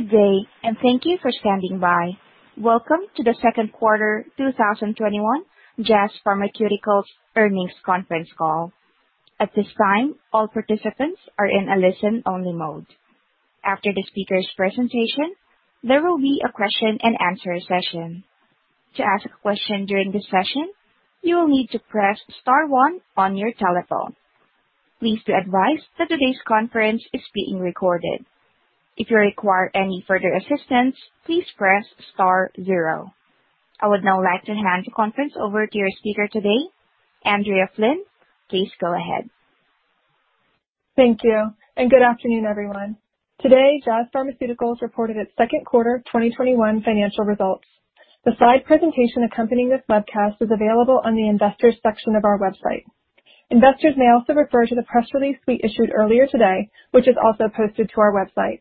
Good day. Thank you for standing by. Welcome to the second quarter 2021 Jazz Pharmaceuticals earnings conference call. I would now like to hand the conference over to your speaker today, Andrea Flynn. Please go ahead. Thank you, and good afternoon, everyone. Today, Jazz Pharmaceuticals reported its second quarter 2021 financial results. The slide presentation accompanying this webcast is available on the investors section of our website. Investors may also refer to the press release we issued earlier today, which is also posted to our website.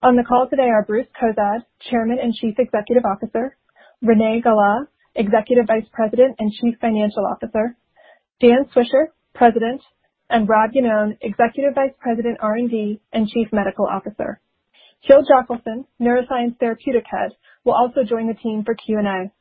On the call today are Bruce Cozadd, Chairman and Chief Executive Officer; Renée Galá, Executive Vice President and Chief Financial Officer; Dan Swisher, President; and Robert Iannone, Executive Vice President, R&D, and Chief Medical Officer. Kield Jacquesson, Neuroscience Therapeutic Head, will also join the team for Q&A.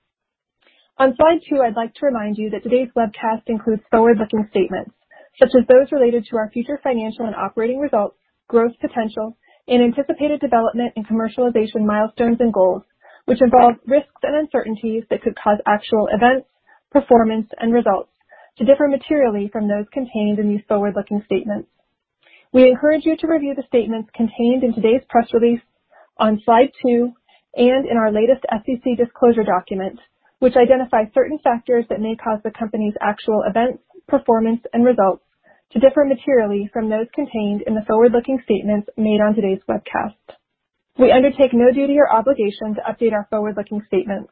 On slide two, I'd like to remind you that today's webcast includes forward-looking statements, such as those related to our future financial and operating results, growth potential, and anticipated development and commercialization milestones and goals, which involve risks and uncertainties that could cause actual events, performance, and results to differ materially from those contained in these forward-looking statements. We encourage you to review the statements contained in today's press release on slide two and in our latest SEC disclosure document, which identifies certain factors that may cause the company's actual events, performance, and results to differ materially from those contained in the forward-looking statements made on today's webcast. We undertake no duty or obligation to update our forward-looking statements.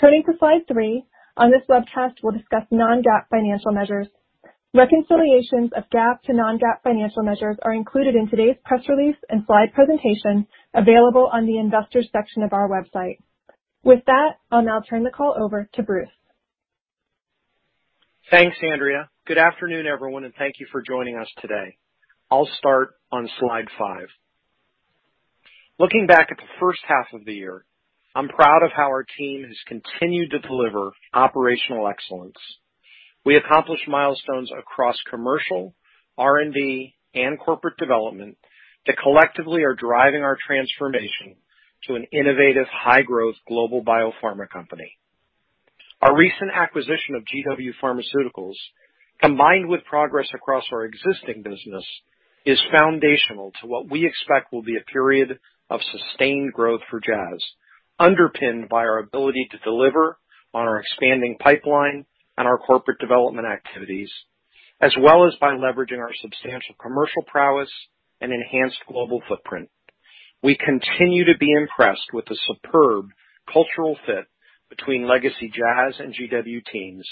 Turning to slide three. On this webcast, we'll discuss non-GAAP financial measures. Reconciliations of GAAP to non-GAAP financial measures are included in today's press release and slide presentation available on the investors section of our website. With that, I'll now turn the call over to Bruce. Thanks, Andrea. Good afternoon, everyone, and thank you for joining us today. I'll start on slide five. Looking back at the first half of the year, I'm proud of how our team has continued to deliver operational excellence. We accomplished milestones across commercial, R&D, and corporate development that collectively are driving our transformation to an innovative, high-growth global biopharma company. Our recent acquisition of GW Pharmaceuticals, combined with progress across our existing business, is foundational to what we expect will be a period of sustained growth for Jazz, underpinned by our ability to deliver on our expanding pipeline and our corporate development activities, as well as by leveraging our substantial commercial prowess and enhanced global footprint. We continue to be impressed with the superb cultural fit between legacy Jazz and GW teams.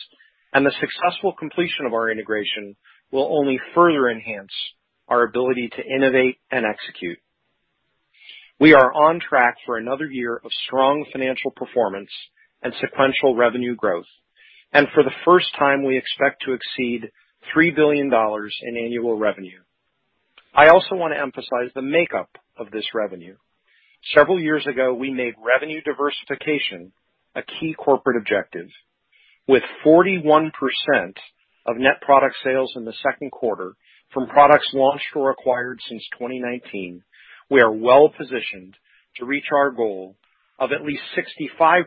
The successful completion of our integration will only further enhance our ability to innovate and execute. We are on track for another year of strong financial performance and sequential revenue growth. For the first time, we expect to exceed $3 billion in annual revenue. I also want to emphasize the makeup of this revenue. Several years ago, we made revenue diversification a key corporate objective. With 41% of net product sales in the second quarter from products launched or acquired since 2019, we are well-positioned to reach our goal of at least 65%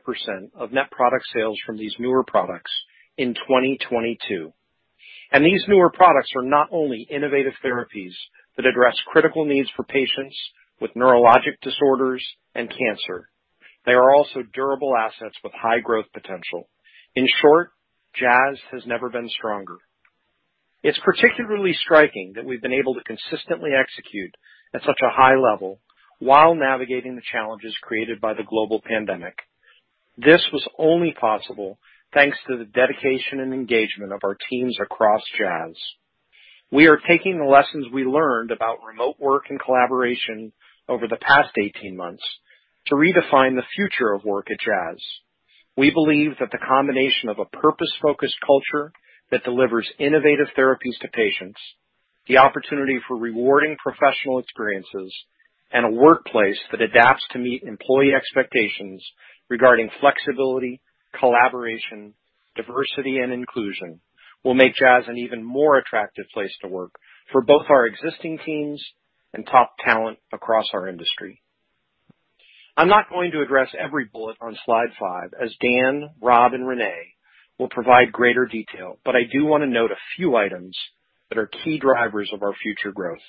of net product sales from these newer products in 2022. These newer products are not only innovative therapies that address critical needs for patients with neurologic disorders and cancer, they are also durable assets with high growth potential. In short, Jazz has never been stronger. It's particularly striking that we've been able to consistently execute at such a high level while navigating the challenges created by the global pandemic. This was only possible thanks to the dedication and engagement of our teams across Jazz. We are taking the lessons we learned about remote work and collaboration over the past 18 months to redefine the future of work at Jazz. We believe that the combination of a purpose-focused culture that delivers innovative therapies to patients, the opportunity for rewarding professional experiences, and a workplace that adapts to meet employee expectations regarding flexibility, collaboration, diversity, and inclusion will make Jazz an even more attractive place to work for both our existing teams and top talent across our industry. I'm not going to address every bullet on slide 5, as Dan, Rob, and Renée will provide greater detail. I do want to note a few items that are key drivers of our future growth.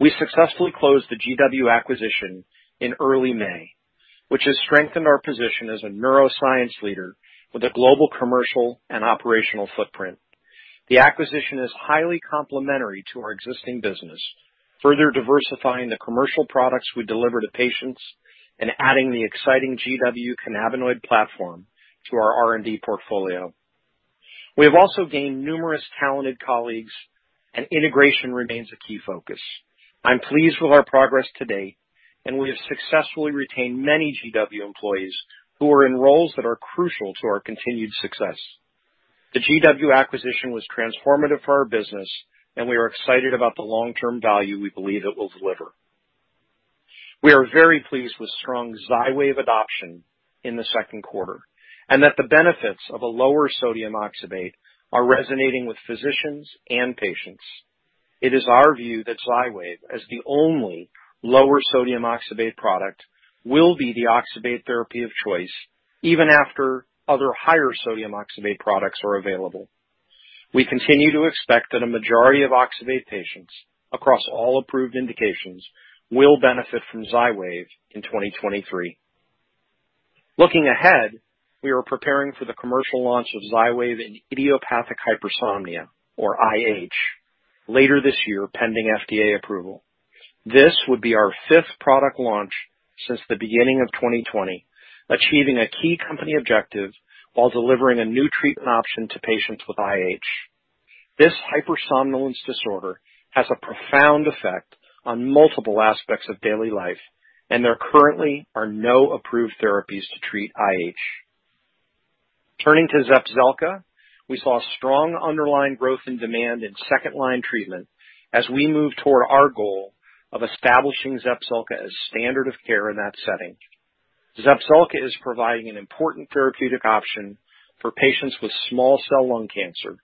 We successfully closed the GW acquisition in early May, which has strengthened our position as a neuroscience leader with a global commercial and operational footprint. The acquisition is highly complementary to our existing business, further diversifying the commercial products we deliver to patients and adding the exciting GW cannabinoid platform to our R&D portfolio. We have also gained numerous talented colleagues, and integration remains a key focus. I'm pleased with our progress to date, and we have successfully retained many GW employees who are in roles that are crucial to our continued success. The GW acquisition was transformative for our business, and we are excited about the long-term value we believe it will deliver. We are very pleased with strong Xywav adoption in the second quarter, and that the benefits of a lower sodium oxybate are resonating with physicians and patients. It is our view that Xywav, as the only lower sodium oxybate product, will be the oxybate therapy of choice even after other higher sodium oxybate products are available. We continue to expect that a majority of oxybate patients across all approved indications will benefit from Xywav in 2023. Looking ahead, we are preparing for the commercial launch of Xywav in idiopathic hypersomnia, or IH, later this year, pending FDA approval. This would be our fifth product launch since the beginning of 2020, achieving a key company objective while delivering a new treatment option to patients with IH. This hypersomnolence disorder has a profound effect on multiple aspects of daily life, and there currently are no approved therapies to treat IH. Turning to Zepzelca, we saw strong underlying growth and demand in second-line treatment as we move toward our goal of establishing Zepzelca as standard of care in that setting. Zepzelca is providing an important therapeutic option for patients with small cell lung cancer.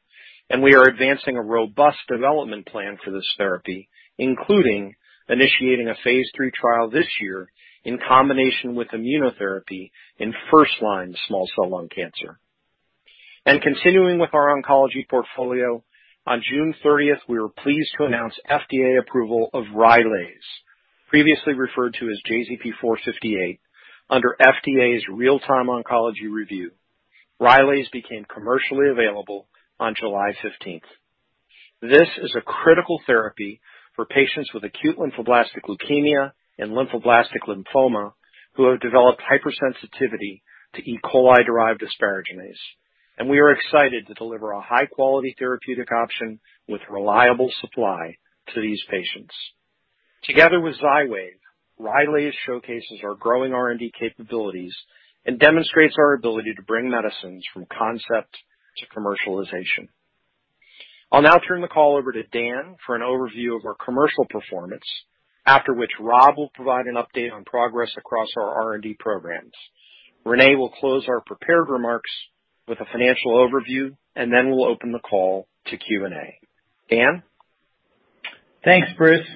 We are advancing a robust development plan for this therapy, including initiating a phase III trial this year in combination with immunotherapy in first-line small cell lung cancer. Continuing with our oncology portfolio, on June 30th, we were pleased to announce FDA approval of Rylaze, previously referred to as JZP458, under FDA's real-time oncology review. Rylaze became commercially available on July 15th. This is a critical therapy for patients with acute lymphoblastic leukemia and lymphoblastic lymphoma who have developed hypersensitivity to E. coli-derived asparaginase. We are excited to deliver a high-quality therapeutic option with reliable supply to these patients. Together with Xywav, Rylaze showcases our growing R&D capabilities and demonstrates our ability to bring medicines from concept to commercialization. I'll now turn the call over to Dan for an overview of our commercial performance, after which Rob will provide an update on progress across our R&D programs. Renée will close our prepared remarks with a financial overview, then we'll open the call to Q&A. Dan? Thanks, Bruce.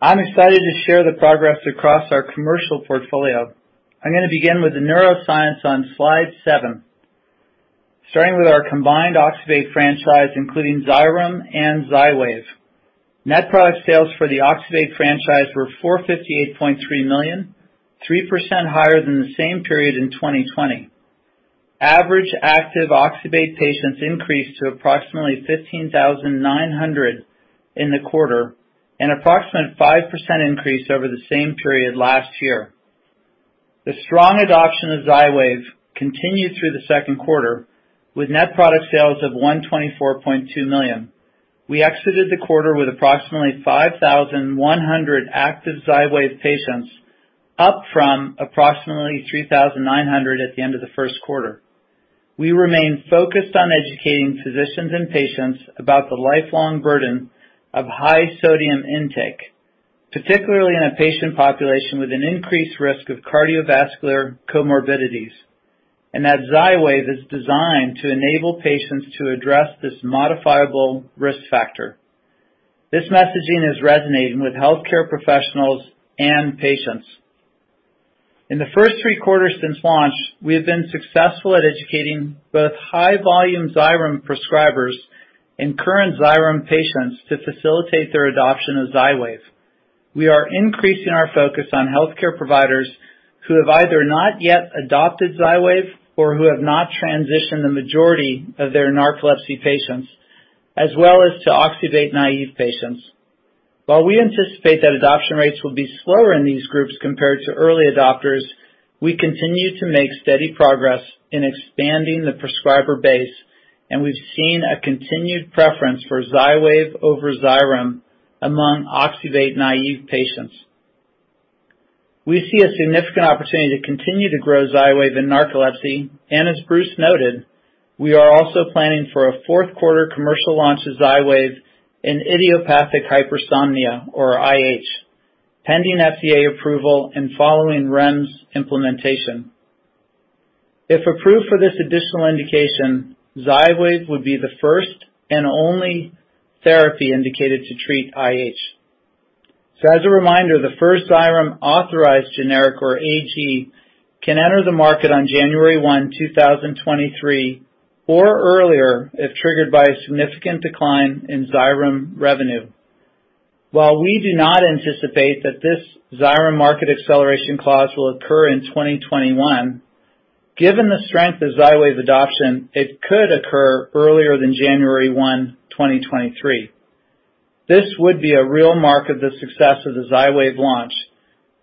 I'm excited to share the progress across our commercial portfolio. I'm going to begin with the neuroscience on slide seven. Starting with our combined oxybate franchise, including Xyrem and Xywav. Net product sales for the oxybate franchise were $458.3 million, 3% higher than the same period in 2020. Average active oxybate patients increased to approximately 15,900 in the quarter, an approximate 5% increase over the same period last year. The strong adoption of Xywav continued through the second quarter with net product sales of $124.2 million. We exited the quarter with approximately 5,100 active Xywav patients, up from approximately 3,900 at the end of the first quarter. We remain focused on educating physicians and patients about the lifelong burden of high sodium intake, particularly in a patient population with an increased risk of cardiovascular comorbidities, and that Xywav is designed to enable patients to address this modifiable risk factor. This messaging is resonating with healthcare professionals and patients. In the first three quarters since launch, we have been successful at educating both high-volume Xyrem prescribers and current Xyrem patients to facilitate their adoption of Xywav. We are increasing our focus on healthcare providers who have either not yet adopted Xywav or who have not transitioned the majority of their narcolepsy patients, as well as to oxybate-naive patients. While we anticipate that adoption rates will be slower in these groups compared to early adopters, we continue to make steady progress in expanding the prescriber base, and we've seen a continued preference for Xywav over Xyrem among oxybate-naive patients. We see a significant opportunity to continue to grow Xywav in narcolepsy, and as Bruce noted, we are also planning for a fourth quarter commercial launch of Xywav in idiopathic hypersomnia, or IH, pending FDA approval and following REMS implementation. If approved for this additional indication, Xywav would be the first and only therapy indicated to treat IH. As a reminder, the first Xyrem authorized generic, or AG, can enter the market on January 1, 2023, or earlier, if triggered by a significant decline in Xyrem revenue. While we do not anticipate that this Xyrem market acceleration clause will occur in 2021, given the strength of Xywav adoption, it could occur earlier than January 1, 2023. This would be a real mark of the success of the Xywav launch.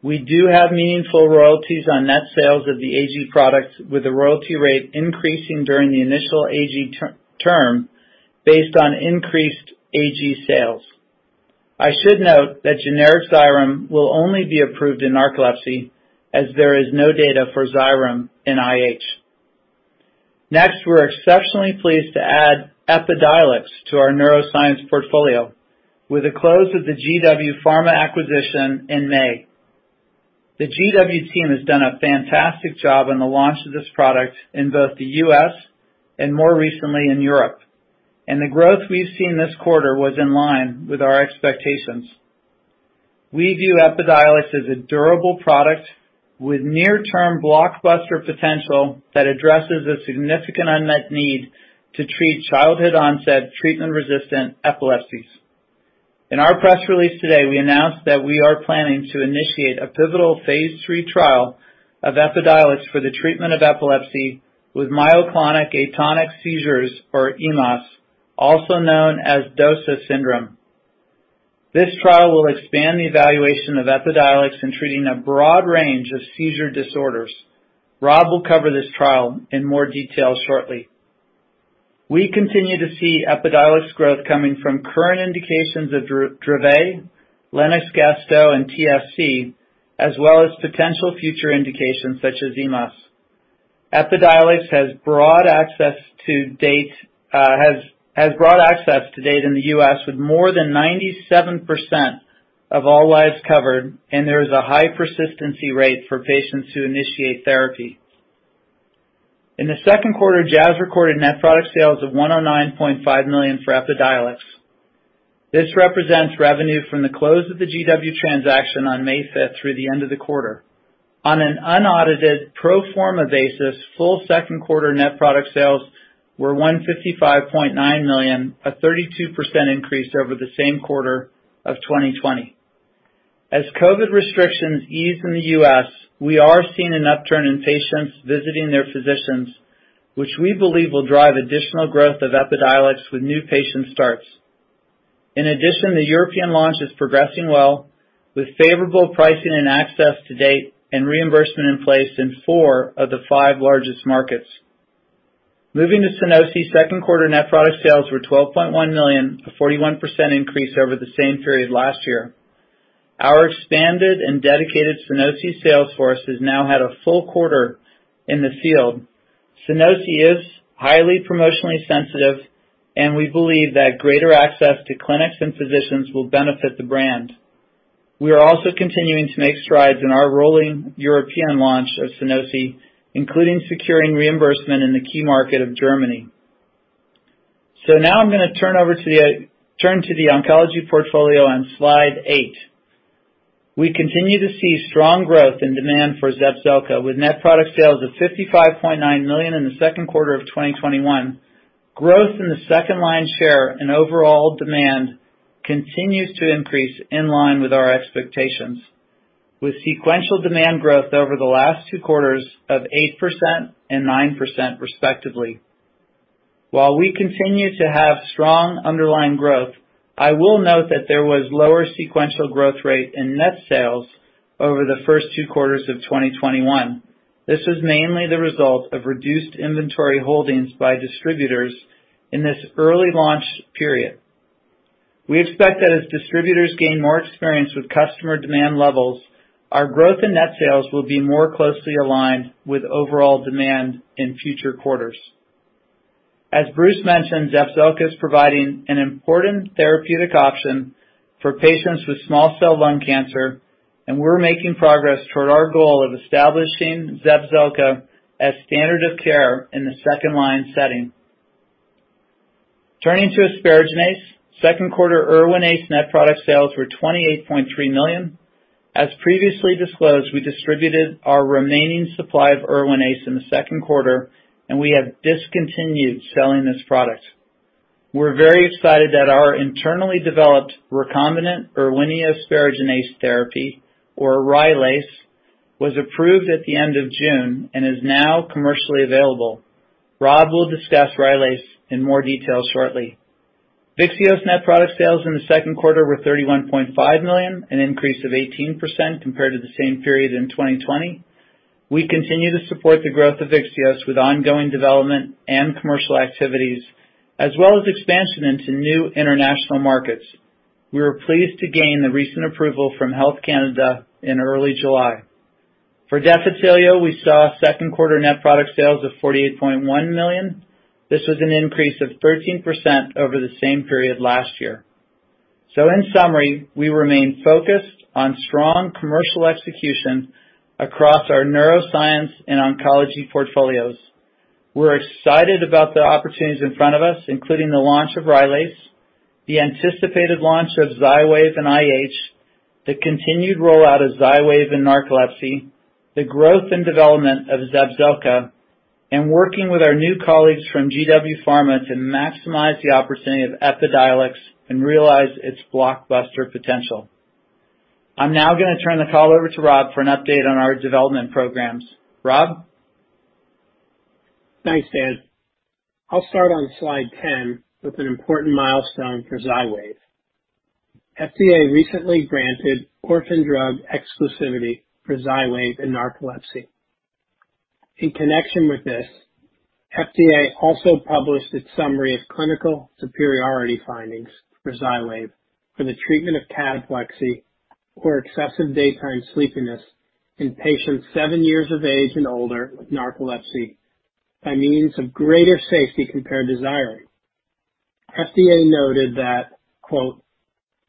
We do have meaningful royalties on net sales of the AG products, with the royalty rate increasing during the initial AG term based on increased AG sales. I should note that generic Xyrem will only be approved in narcolepsy as there is no data for Xyrem in IH. We're exceptionally pleased to add Epidiolex to our neuroscience portfolio with the close of the GW Pharma acquisition in May. The GW team has done a fantastic job on the launch of this product in both the U.S. and more recently in Europe. The growth we've seen this quarter was in line with our expectations. We view Epidiolex as a durable product with near term blockbuster potential that addresses a significant unmet need to treat childhood onset treatment-resistant epilepsies. In our press release today, we announced that we are planning to initiate a pivotal phase III trial of Epidiolex for the treatment of epilepsy with myoclonic atonic seizures, or EMAS, also known as Doose syndrome. This trial will expand the evaluation of Epidiolex in treating a broad range of seizure disorders. Rob will cover this trial in more detail shortly. We continue to see Epidiolex growth coming from current indications of Dravet, Lennox-Gastaut, and TSC, as well as potential future indications such as EMAS. Epidiolex has broad access to date in the U.S. with more than 97% of all lives covered, and there is a high persistency rate for patients who initiate therapy. In the second quarter, Jazz recorded net product sales of $109.5 million for Epidiolex. This represents revenue from the close of the GW transaction on May 5th through the end of the quarter. On an unaudited pro forma basis, full second quarter net product sales were $155.9 million, a 32% increase over the same quarter of 2020. As COVID restrictions ease in the U.S., we are seeing an upturn in patients visiting their physicians, which we believe will drive additional growth of Epidiolex with new patient starts. The European launch is progressing well with favorable pricing and access to date and reimbursement in place in four of the five largest markets. Moving to Sunosi, second quarter net product sales were $12.1 million, a 41% increase over the same period last year. Our expanded and dedicated Sunosi sales force has now had a full quarter in the field. Sunosi is highly promotionally sensitive, and we believe that greater access to clinics and physicians will benefit the brand. We are also continuing to make strides in our rolling European launch of Sunosi, including securing reimbursement in the key market of Germany. Now I'm going to turn to the oncology portfolio on slide eight. We continue to see strong growth and demand for Zepzelca with net product sales of $55.9 million in the second quarter of 2021. Growth in the second-line share and overall demand continues to increase in line with our expectations, with sequential demand growth over the last two quarters of 8% and 9% respectively. While we continue to have strong underlying growth, I will note that there was lower sequential growth rate in net sales over the first two quarters of 2021. This was mainly the result of reduced inventory holdings by distributors in this early launch period. We expect that as distributors gain more experience with customer demand levels, our growth in net sales will be more closely aligned with overall demand in future quarters. As Bruce mentioned, Zepzelca is providing an important therapeutic option for patients with small cell lung cancer, and we're making progress toward our goal of establishing Zepzelca as standard of care in the second-line setting. Turning to asparaginase. Second quarter Erwinaze net product sales were $28.3 million. As previously disclosed, we distributed our remaining supply of Erwinaze in the second quarter, and we have discontinued selling this product. We're very excited that our internally developed recombinant Erwinia asparaginase therapy, or Rylaze, was approved at the end of June and is now commercially available. Rob will discuss Rylaze in more detail shortly. Vyxeos net product sales in the second quarter were $31.5 million, an increase of 18% compared to the same period in 2020. We continue to support the growth of Vyxeos with ongoing development and commercial activities, as well as expansion into new international markets. We were pleased to gain the recent approval from Health Canada in early July. For Defitelio, we saw second quarter net product sales of $48.1 million. This was an increase of 13% over the same period last year. In summary, we remain focused on strong commercial execution across our neuroscience and oncology portfolios. We're excited about the opportunities in front of us, including the launch of Rylaze, the anticipated launch of Xywav and IH, the continued rollout of Xywav in narcolepsy, the growth and development of Zepzelca, and working with our new colleagues from GW Pharma to maximize the opportunity of Epidiolex and realize its blockbuster potential. I'm now going to turn the call over to Rob for an update on our development programs. Rob? Thanks, Dan. I'll start on slide 10 with an important milestone for Xywav. FDA recently granted orphan drug exclusivity for Xywav in narcolepsy. In connection with this, FDA also published its summary of clinical superiority findings for Xywav, for the treatment of cataplexy or excessive daytime sleepiness in patients seven years of age and older with narcolepsy by means of greater safety compared to Xyrem. FDA noted that,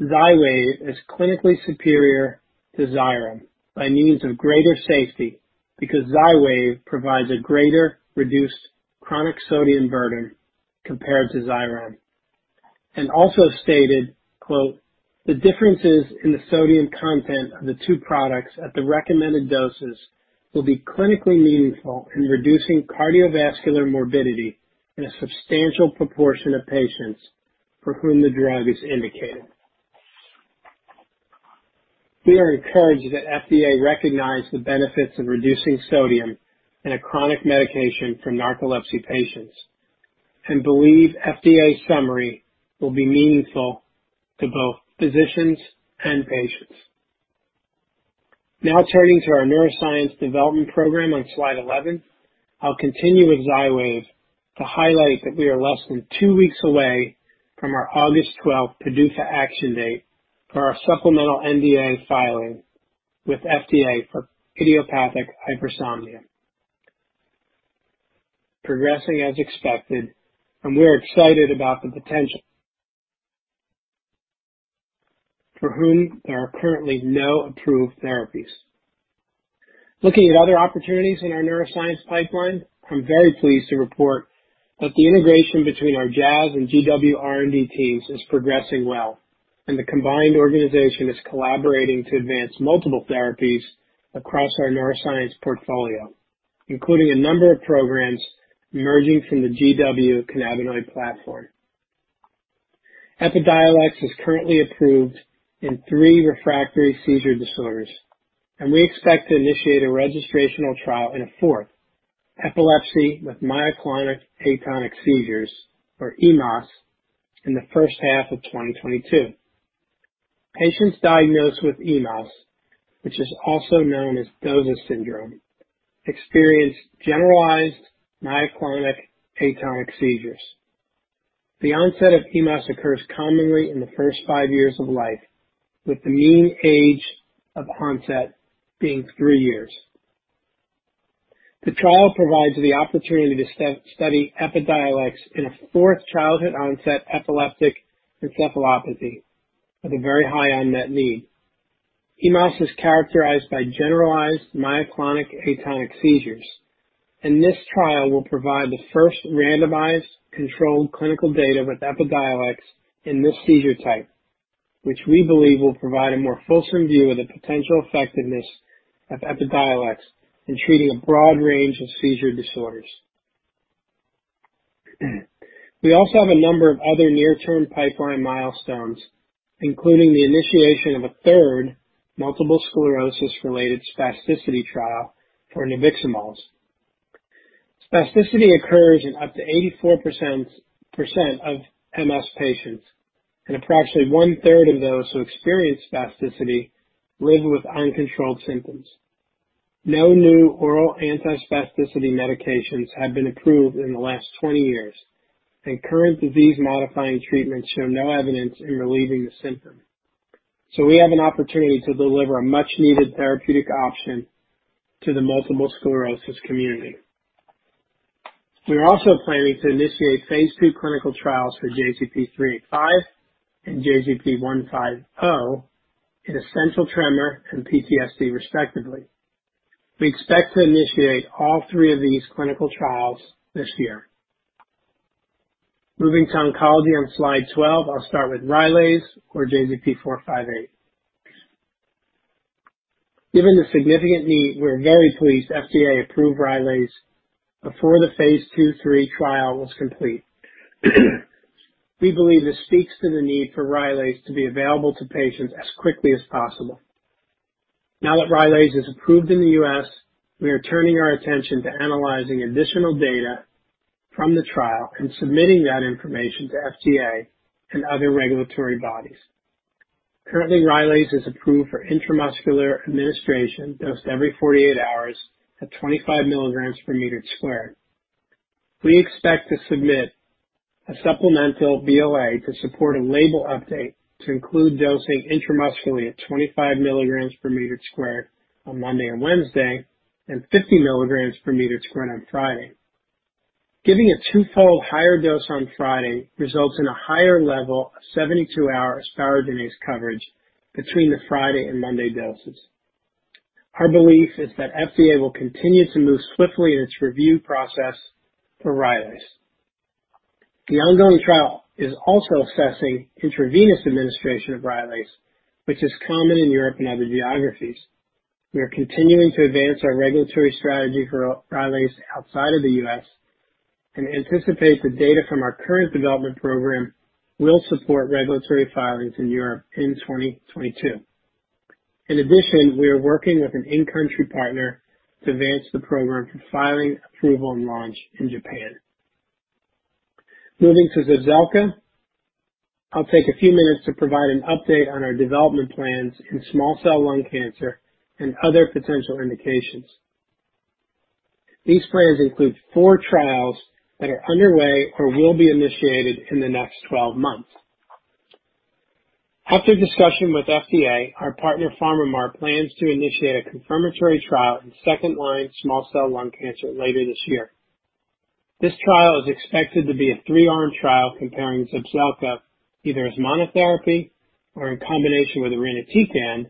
"Xywav is clinically superior to Xyrem by means of greater safety because Xywav provides a greater reduced chronic sodium burden compared to Xyrem," and also stated, "The differences in the sodium content of the two products at the recommended doses will be clinically meaningful in reducing cardiovascular morbidity in a substantial proportion of patients for whom the drug is indicated." We are encouraged that FDA recognized the benefits of reducing sodium in a chronic medication for narcolepsy patients and believe FDA summary will be meaningful to both physicians and patients. Turning to our neuroscience development program on slide 11. I'll continue with Xywav to highlight that we are less than two weeks away from our August 12 PDUFA action date for our supplemental NDA filing with FDA for idiopathic hypersomnia. Progressing as expected, we're excited about the potential. For whom there are currently no approved therapies. Looking at other opportunities in our neuroscience pipeline, I'm very pleased to report that the integration between our Jazz and GW R&D teams is progressing well, and the combined organization is collaborating to advance multiple therapies across our neuroscience portfolio, including a number of programs emerging from the GW cannabinoid platform. Epidiolex is currently approved in three refractory seizure disorders, and we expect to initiate a registrational trial in a fourth, epilepsy with myoclonic atonic seizures, or EMAS, in the first half of 2022. Patients diagnosed with EMAS, which is also known as Doose syndrome, experience generalized myoclonic atonic seizures. The onset of EMAS occurs commonly in the first five years of life, with the mean age of onset being three years. The trial provides the opportunity to study Epidiolex in a fourth childhood-onset epileptic encephalopathy with a very high unmet need. EMAS is characterized by generalized myoclonic atonic seizures. This trial will provide the first randomized controlled clinical data with Epidiolex in this seizure type, which we believe will provide a more fulsome view of the potential effectiveness of Epidiolex in treating a broad range of seizure disorders. We also have a number of other near-term pipeline milestones, including the initiation of a third multiple sclerosis-related spasticity trial for nabiximols. Spasticity occurs in up to 84% of MS patients. Approximately one-third of those who experience spasticity live with uncontrolled symptoms. No new oral antispasticity medications have been approved in the last 20 years. Current disease-modifying treatments show no evidence in relieving the symptom. We have an opportunity to deliver a much-needed therapeutic option to the multiple sclerosis community. We are also planning to initiate phase II clinical trials for JZP385 and JZP150 in essential tremor and PTSD, respectively. We expect to initiate all three of these clinical trials this year. Moving to oncology on slide 12. I'll start with Rylaze or JZP458. Given the significant need, we're very pleased FDA approved Rylaze before the phase II-III trial was complete. We believe this speaks to the need for Rylaze to be available to patients as quickly as possible. Now that Rylaze is approved in the U.S., we are turning our attention to analyzing additional data from the trial and submitting that information to FDA and other regulatory bodies. Currently, Rylaze is approved for intramuscular administration dosed every 48 hours at 25 milligrams per sq m. We expect to submit a supplemental BLA to support a label update to include dosing intramuscularly at 25 milligrams per meter squared on Monday and Wednesday and 50 milligrams per meter squared on Friday. Giving a twofold higher dose on Friday results in a higher level of 72 hours asparaginase coverage between the Friday and Monday doses. Our belief is that FDA will continue to move swiftly in its review process for Rylaze. The ongoing trial is also assessing intravenous administration of Rylaze, which is common in Europe and other geographies. We are continuing to advance our regulatory strategy for Rylaze outside of the U.S. and anticipate the data from our current development program will support regulatory filings in Europe in 2022. In addition, we are working with an in-country partner to advance the program for filing approval and launch in Japan. Moving to Zepzelca. I'll take a few minutes to provide an update on our development plans in small cell lung cancer and other potential indications. These plans include four trials that are underway or will be initiated in the next 12 months. After discussion with FDA, our partner, PharmaMar, plans to initiate a confirmatory trial in second line small cell lung cancer later this year. This trial is expected to be a three-arm trial comparing Zepzelca either as monotherapy or in combination with irinotecan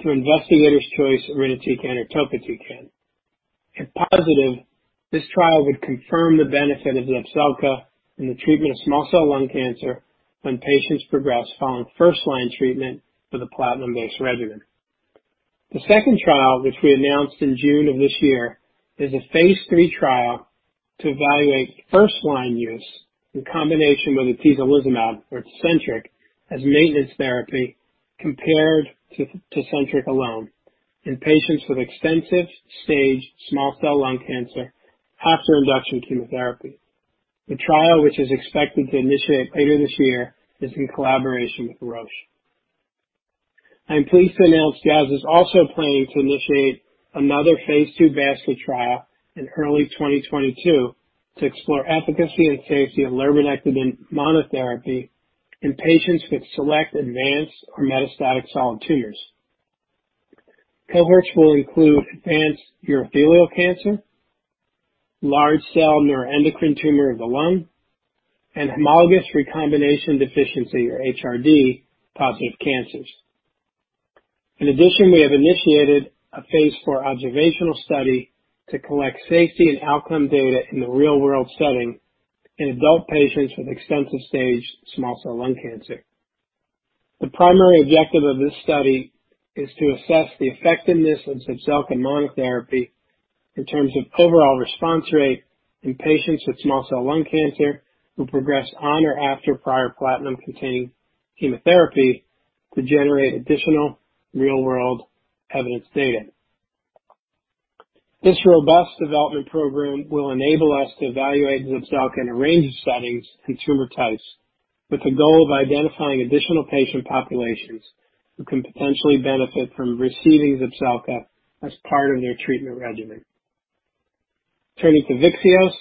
to investigator's choice irinotecan or topotecan. If positive, this trial would confirm the benefit of Zepzelca in the treatment of small cell lung cancer when patients progress following first-line treatment with a platinum-based regimen. The second trial, which we announced in June of this year, is a phase III trial to evaluate first-line use in combination with atezolizumab or Tecentriq as maintenance therapy compared to Tecentriq alone in patients with extensive stage small cell lung cancer after induction chemotherapy. The trial, which is expected to initiate later this year, is in collaboration with Roche. I am pleased to announce Jazz is also planning to initiate another phase II basket trial in early 2022 to explore efficacy and safety of lurbinectedin monotherapy in patients with select advanced or metastatic solid tumors. Cohorts will include advanced urothelial cancer, large cell neuroendocrine carcinoma of the lung, and homologous recombination deficiency, or HRD, positive cancers. In addition, we have initiated a phase IV observational study to collect safety and outcome data in the real-world setting in adult patients with extensive stage small cell lung cancer. The primary objective of this study is to assess the effectiveness of Zepzelca monotherapy in terms of overall response rate in patients with small cell lung cancer who progressed on or after prior platinum-containing chemotherapy to generate additional real-world evidence data. This robust development program will enable us to evaluate Zepzelca in a range of settings and tumor types with the goal of identifying additional patient populations who can potentially benefit from receiving Zepzelca as part of their treatment regimen. Turning to Vyxeos,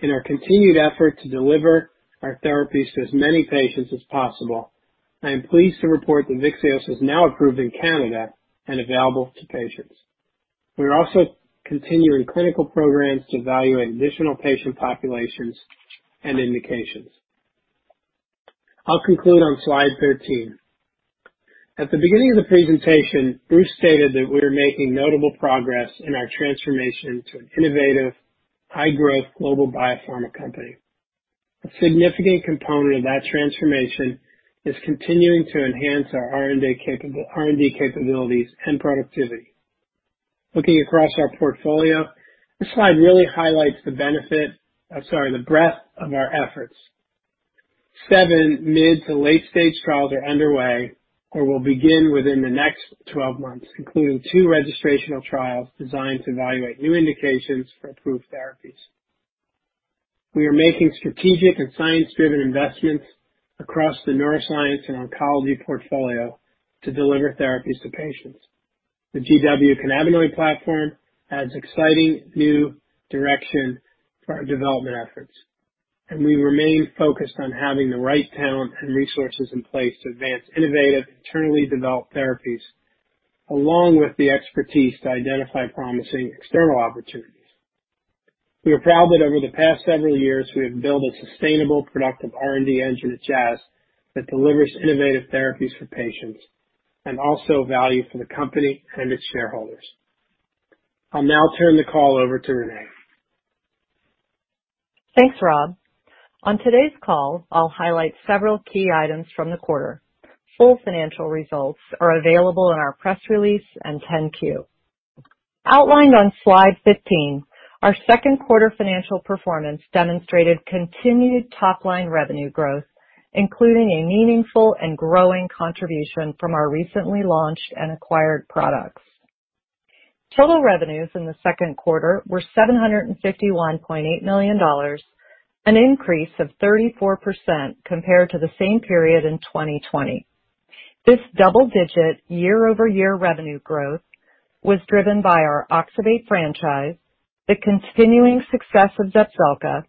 in our continued effort to deliver our therapies to as many patients as possible, I am pleased to report that Vyxeos is now approved in Canada and available to patients. We are also continuing clinical programs to evaluate additional patient populations and indications. I'll conclude on slide 13. At the beginning of the presentation, Bruce stated that we are making notable progress in our transformation to an innovative, high-growth global biopharma company. A significant component of that transformation is continuing to enhance our R&D capabilities and productivity. Looking across our portfolio, this slide really highlights the breadth of our efforts. Seven mid to late-stage trials are underway or will begin within the next 12 months, including two registrational trials designed to evaluate new indications for approved therapies. We are making strategic and science-driven investments across the neuroscience and oncology portfolio to deliver therapies to patients. The GW cannabinoid platform adds exciting new direction for our development efforts, and we remain focused on having the right talent and resources in place to advance innovative internally developed therapies, along with the expertise to identify promising external opportunities. We are proud that over the past several years, we have built a sustainable, productive R&D engine at Jazz that delivers innovative therapies for patients and also value for the company and its shareholders. I'll now turn the call over to Renée. Thanks, Rob. On today's call, I'll highlight several key items from the quarter. Full financial results are available in our press release and 10-Q. Outlined on slide 15, our second quarter financial performance demonstrated continued top-line revenue growth, including a meaningful and growing contribution from our recently launched and acquired products. Total revenues in the second quarter were $751.8 million, an increase of 34% compared to the same period in 2020. This double-digit year-over-year revenue growth was driven by our oxybate franchise, the continuing success of Zepzelca,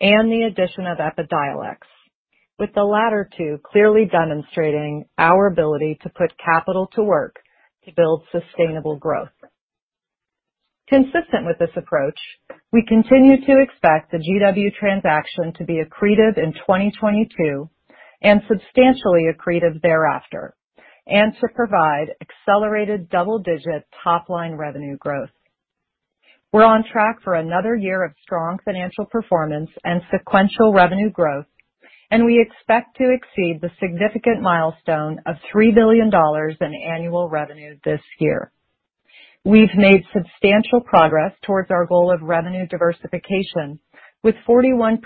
and the addition of Epidiolex, with the latter two clearly demonstrating our ability to put capital to work to build sustainable growth. Consistent with this approach, we continue to expect the GW transaction to be accretive in 2022 and substantially accretive thereafter, and to provide accelerated double-digit top-line revenue growth. We're on track for another year of strong financial performance and sequential revenue growth. We expect to exceed the significant milestone of $3 billion in annual revenue this year. We've made substantial progress towards our goal of revenue diversification, with 41%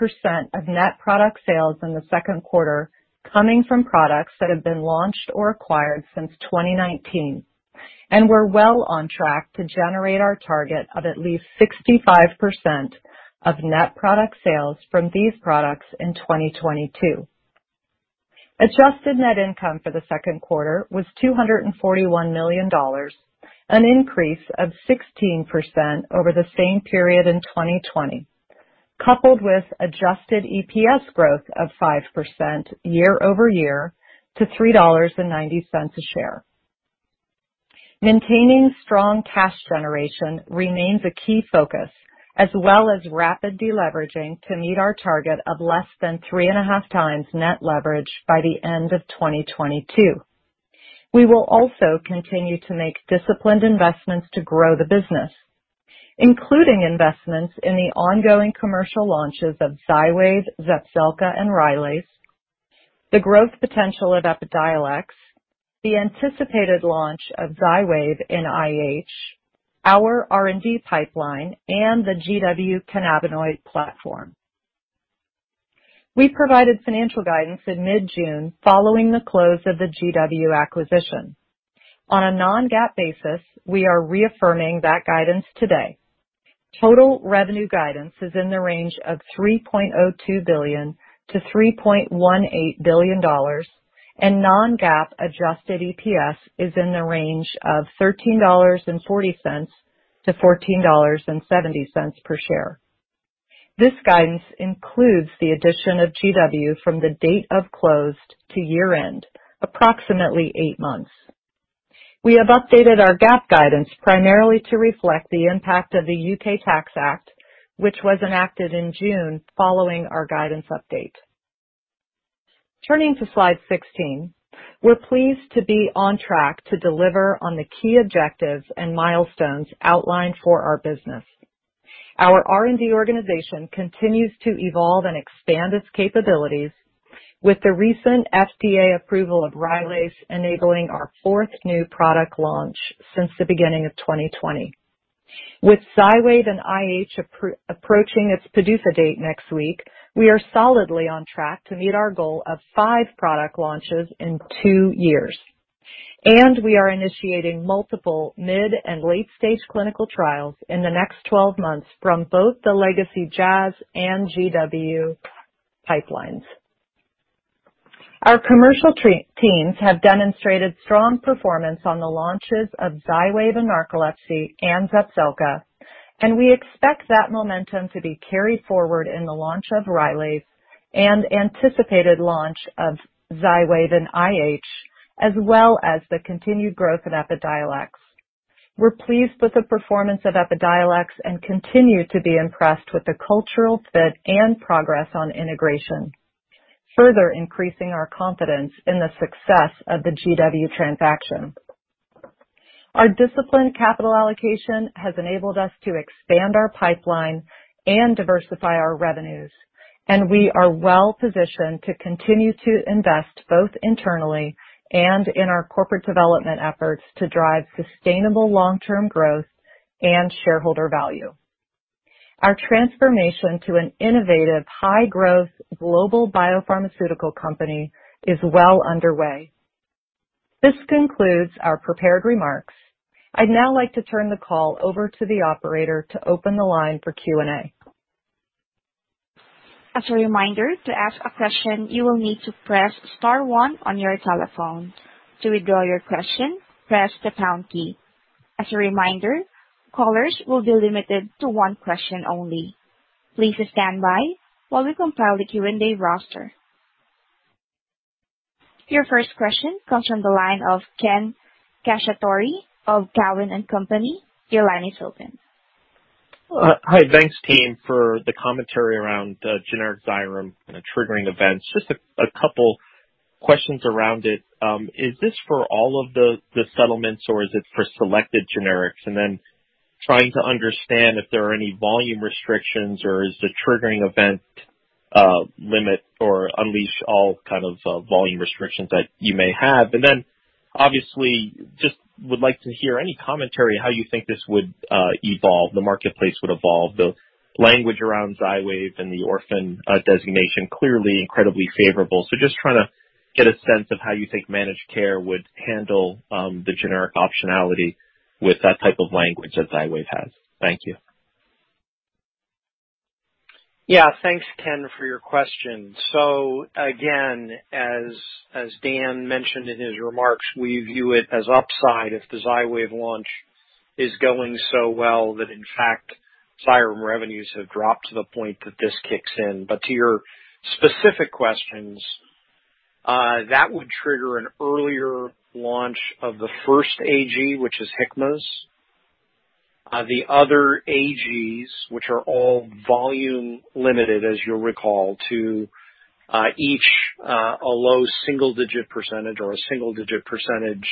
of net product sales in the second quarter coming from products that have been launched or acquired since 2019. We're well on track to generate our target of at least 65% of net product sales from these products in 2022. Adjusted net income for the second quarter was $241 million, an increase of 16% over the same period in 2020, coupled with adjusted EPS growth of 5% year-over-year to $3.90 a share. Maintaining strong cash generation remains a key focus, as well as rapid de-leveraging to meet our target of less than three and a half times net leverage by the end of 2022. We will also continue to make disciplined investments to grow the business, including investments in the ongoing commercial launches of Xywav, Zepzelca, and Rylaze, the growth potential of Epidiolex, the anticipated launch of Xywav in IH, our R&D pipeline, and the GW cannabinoid platform. We provided financial guidance in mid-June following the close of the GW acquisition. On a non-GAAP basis, we are reaffirming that guidance today. Total revenue guidance is in the range of $3.02 billion-$3.18 billion, and non-GAAP adjusted EPS is in the range of $13.40-$14.70 per share. This guidance includes the addition of GW from the date of closed to year-end, approximately eight months. We have updated our GAAP guidance primarily to reflect the impact of the Finance Act 2021, which was enacted in June following our guidance update. Turning to slide 16. We're pleased to be on track to deliver on the key objectives and milestones outlined for our business. Our R&D organization continues to evolve and expand its capabilities with the recent FDA approval of Rylaze enabling our fourth new product launch since the beginning of 2020. With Xywav and IH approaching its PDUFA date next week, we are solidly on track to meet our goal of five product launches in two years. We are initiating multiple mid- and late-stage clinical trials in the next 12 months from both the legacy Jazz and GW pipelines. Our commercial teams have demonstrated strong performance on the launches of Xywav in narcolepsy and Zepzelca, and we expect that momentum to be carried forward in the launch of Rylaze and anticipated launch of Xywav in IH, as well as the continued growth in Epidiolex. We're pleased with the performance of Epidiolex and continue to be impressed with the cultural fit and progress on integration, further increasing our confidence in the success of the GW transaction. We are well positioned to continue to invest both internally and in our corporate development efforts to drive sustainable long-term growth and shareholder value. Our transformation to an innovative, high-growth global biopharmaceutical company is well underway. This concludes our prepared remarks. I'd now like to turn the call over to the operator to open the line for Q&A. Your first question comes from the line of Ken Cacciatore of Cowen and Company. Your line is open. Hi. Thanks, team, for the commentary around generic Xyrem and the triggering events. Just a couple questions around it. Is this for all of the settlements, or is it for selected generics? Trying to understand if there are any volume restrictions, or is the triggering event limit or unleash all kind of volume restrictions that you may have. Obviously just would like to hear any commentary on how you think this would evolve, the marketplace would evolve. The language around Xywav and the orphan designation, clearly incredibly favorable. Just trying to get a sense of how you think managed care would handle the generic optionality with that type of language that Xywav has. Thank you. Yeah. Thanks, Ken, for your question. Again, as Dan mentioned in his remarks, we view it as upside if the Xywav launch is going so well that in fact, Xyrem revenues have dropped to the point that this kicks in. To your specific questions, that would trigger an earlier launch of the first AG, which is Hikma's. The other AGs, which are all volume limited, as you'll recall, to each a low single-digit percentage or a single-digit percentage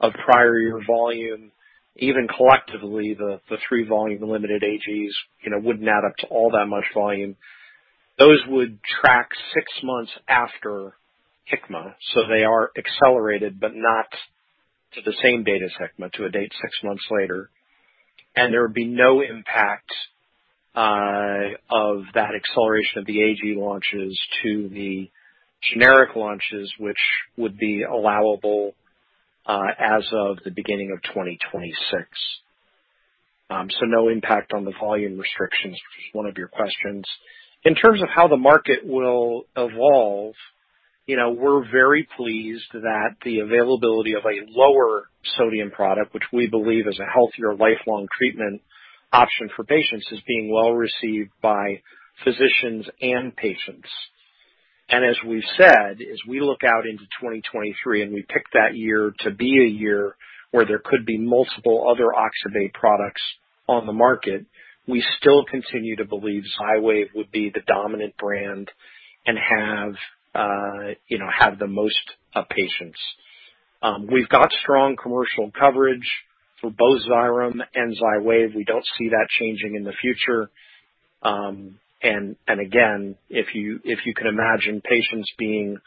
of prior year volume. Even collectively, the three volume limited AGs wouldn't add up to all that much volume. Those would track six months after Hikma. They are accelerated, but not to the same date as Hikma, to a date six months later. There would be no impact of that acceleration of the AG launches to the generic launches, which would be allowable as of the beginning of 2026. No impact on the volume restrictions, which was one of your questions. In terms of how the market will evolve, we're very pleased that the availability of a lower sodium product, which we believe is a healthier lifelong treatment option for patients, is being well-received by physicians and patients. As we've said, as we look out into 2023 and we pick that year to be a year where there could be multiple other oxybate products on the market, we still continue to believe Xywav would be the dominant brand and have the most patients. We've got strong commercial coverage for both Xyrem and Xywav. We don't see that changing in the future. Again, if you could imagine patients being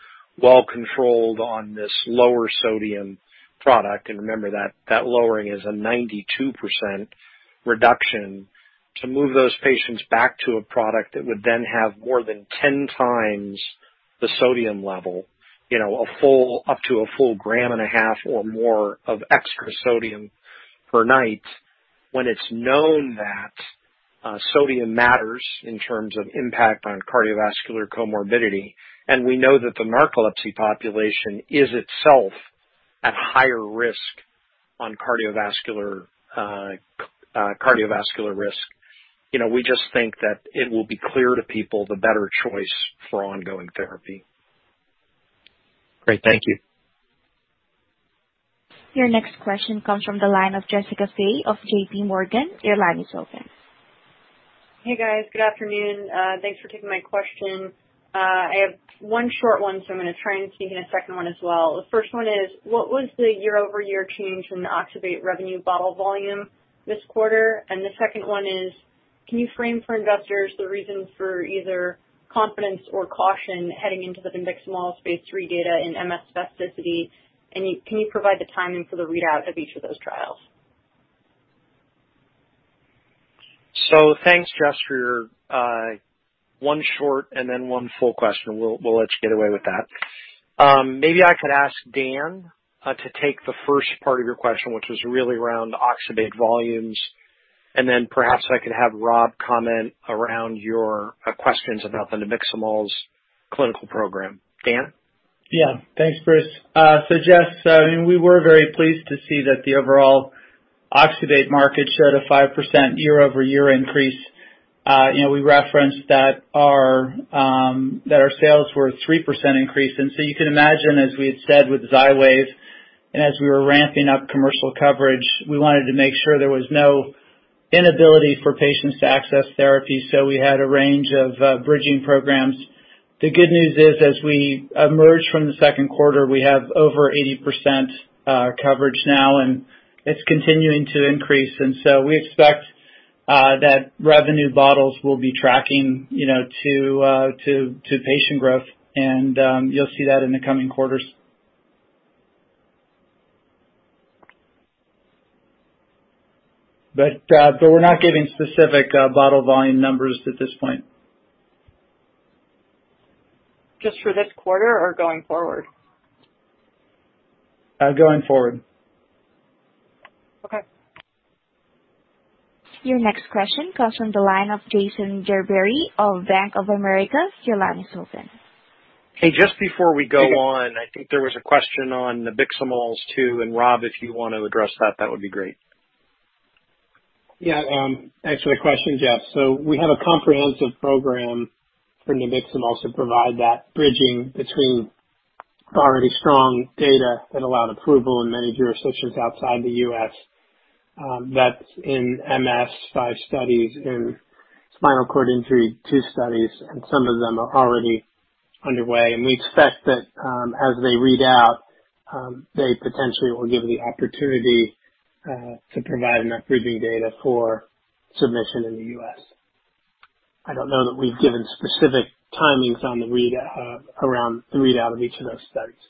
well-controlled on this lower sodium product, remember that lowering is a 92% reduction, to move those patients back to a product that would then have more than 10 times the sodium level. Up to a full 1.5 g or more of extra sodium per night, when it's known that sodium matters in terms of impact on cardiovascular comorbidity. We know that the narcolepsy population is itself at higher risk on cardiovascular risk. We just think that it will be clear to people the better choice for ongoing therapy. Great. Thank you. Your next question comes from the line of Jessica Fye of JPMorgan. Your line is open. Hey, guys. Good afternoon. Thanks for taking my question. I have one short one, so I'm going to try and sneak in a second one as well. The first one is, what was the year-over-year change in the oxybate revenue bottle volume this quarter? The second one is, can you frame for investors the reason for either confidence or caution heading into the nabiximols phase III data in MS spasticity? And can you provide the timing for the readout of each of those trials? Thanks, Jess, for your one short and then one full question. We'll let you get away with that. Maybe I could ask Dan to take the first part of your question, which was really around oxybate volumes, and then perhaps I could have Robert Iannone comment around your questions about the nabiximols clinical program. Dan? Yeah. Thanks, Bruce. Jess, we were very pleased to see that the overall oxybate market showed a 5% year-over-year increase. We referenced that our sales were 3% increase. You can imagine, as we had said with Xywav, as we were ramping up commercial coverage, we wanted to make sure there was no inability for patients to access therapy. We had a range of bridging programs. The good news is, as we emerge from the second quarter, we have over 80% coverage now. It's continuing to increase. We expect that revenue bottles will be tracking to patient growth. You'll see that in the coming quarters. We're not giving specific bottle volume numbers at this point. Just for this quarter or going forward? Going forward. Okay. Your next question comes from the line of Jason Gerberry of Bank of America. Your line is open. Hey, just before we go on, I think there was a question on nabiximols, too, and Rob, if you want to address that would be great. Thanks for the question, Jess. We have a comprehensive program for nabiximols to provide that bridging between already strong data that allowed approval in many jurisdictions outside the U.S. That's in MS, five studies, in spinal cord injury, two studies, and some of them are already underway. We expect that as they read out, they potentially will give the opportunity to provide enough bridging data for submission in the U.S. I don't know that we've given specific timings around the readout of each of those studies.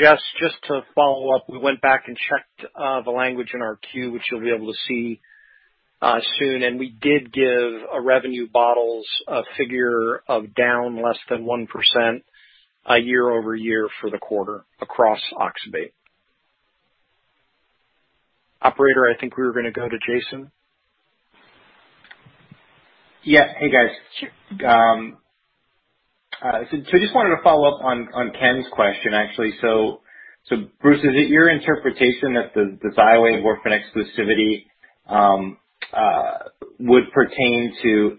Jess, just to follow up, we went back and checked the language in our queue, which you'll be able to see soon. We did give a revenue models figure of down less than 1% year-over-year for the quarter across oxybate. Operator, I think we were going to go to Jason. Yeah. Hey, guys. I just wanted to follow up on Ken's question, actually. Bruce, is it your interpretation that the Xywav orphan exclusivity would pertain to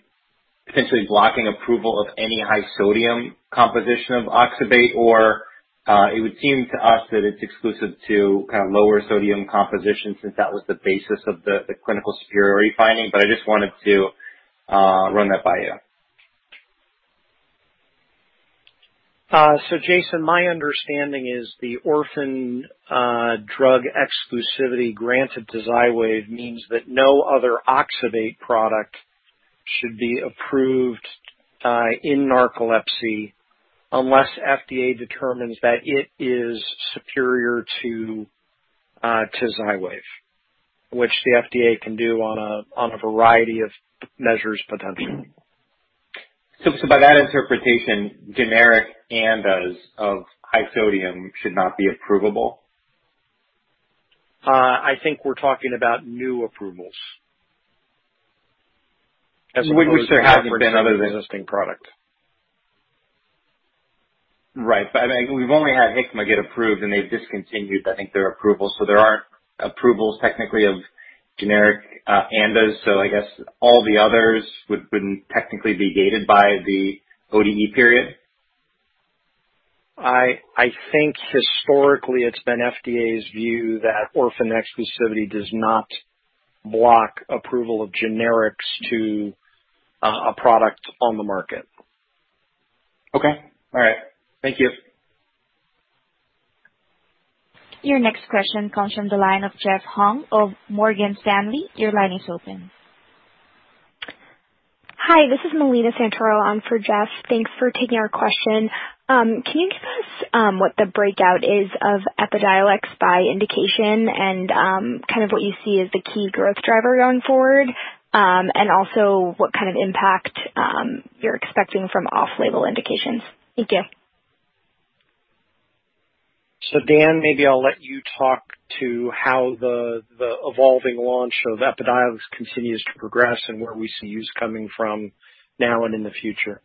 potentially blocking approval of any high sodium composition of oxybate? It would seem to us that it's exclusive to lower sodium composition since that was the basis of the clinical superiority finding. I just wanted to run that by you. Jason, my understanding is the orphan drug exclusivity granted to Xywav means that no other oxybate product should be approved in narcolepsy unless FDA determines that it is superior to Xywav, which the FDA can do on a variety of measures, potentially. By that interpretation, generic ANDAs of high sodium should not be approvable? I think we're talking about new approvals. Which there haven't been other than- As opposed to generics to an existing product. Right. We've only had Hikma get approved, and they've discontinued, I think, their approval. There aren't approvals, technically, of generic ANDAs. I guess all the others would technically be gated by the ODE period. I think historically it's been FDA's view that orphan exclusivity does not block approval of generics to a product on the market. Okay. All right. Thank you. Your next question comes from the line of Jeff Hung of Morgan Stanley. Your line is open. Hi, this is Melina Santoro on for Jeff. Thanks for taking our question. Can you give us what the breakout is of Epidiolex by indication and what you see as the key growth driver going forward, and also what kind of impact you're expecting from off-label indications? Thank you. Dan, maybe I'll let you talk to how the evolving launch of Epidiolex continues to progress and where we see use coming from now and in the future.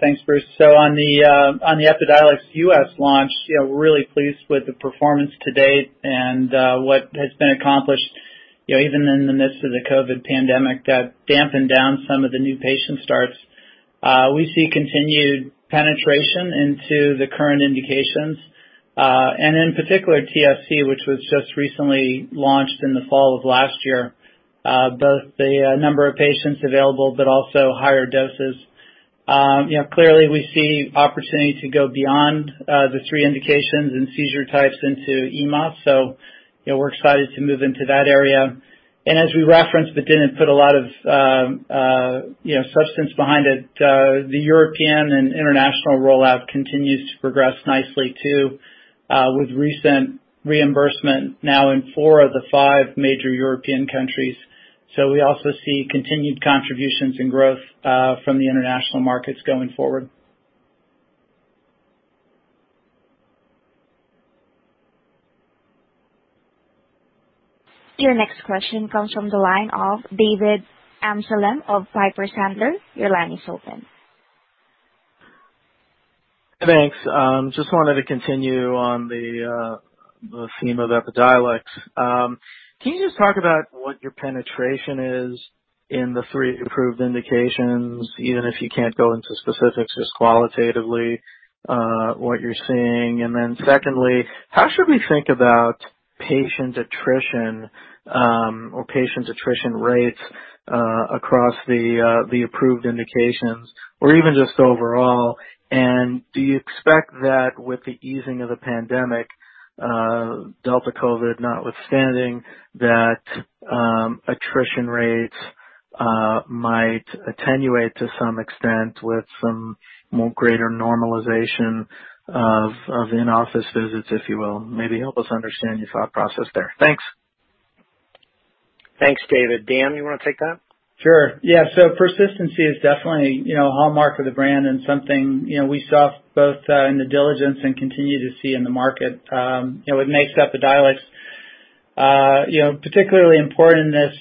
Thanks, Bruce. On the Epidiolex U.S. launch, we're really pleased with the performance to date and what has been accomplished even in the midst of the COVID pandemic that dampened down some of the new patient starts. We see continued penetration into the current indications, and in particular TSC, which was just recently launched in the fall of last year, both the number of patients available but also higher doses. Clearly, we see opportunity to go beyond the three indications and seizure types into EMAS. We're excited to move into that area. As we referenced, but didn't put a lot of substance behind it, the European and international rollout continues to progress nicely, too, with recent reimbursement now in four of the five major European countries. We also see continued contributions and growth from the international markets going forward. Your next question comes from the line of David Amsellem of Piper Sandler. Your line is open. Thanks. Just wanted to continue on the theme of Epidiolex. Can you just talk about what your penetration is in the three approved indications, even if you can't go into specifics, just qualitatively what you're seeing? Secondly, how should we think about patient attrition or patient attrition rates across the approved indications or even just overall? Do you expect that with the easing of the pandemic, Delta COVID notwithstanding, that attrition rates might attenuate to some extent with some more greater normalization of in-office visits, if you will? Maybe help us understand your thought process there. Thanks. Thanks, David. Dan, you want to take that? Sure. Yeah. Persistency is definitely a hallmark of the brand and something we saw both in the diligence and continue to see in the market with Naysta Epidiolex. Particularly important in this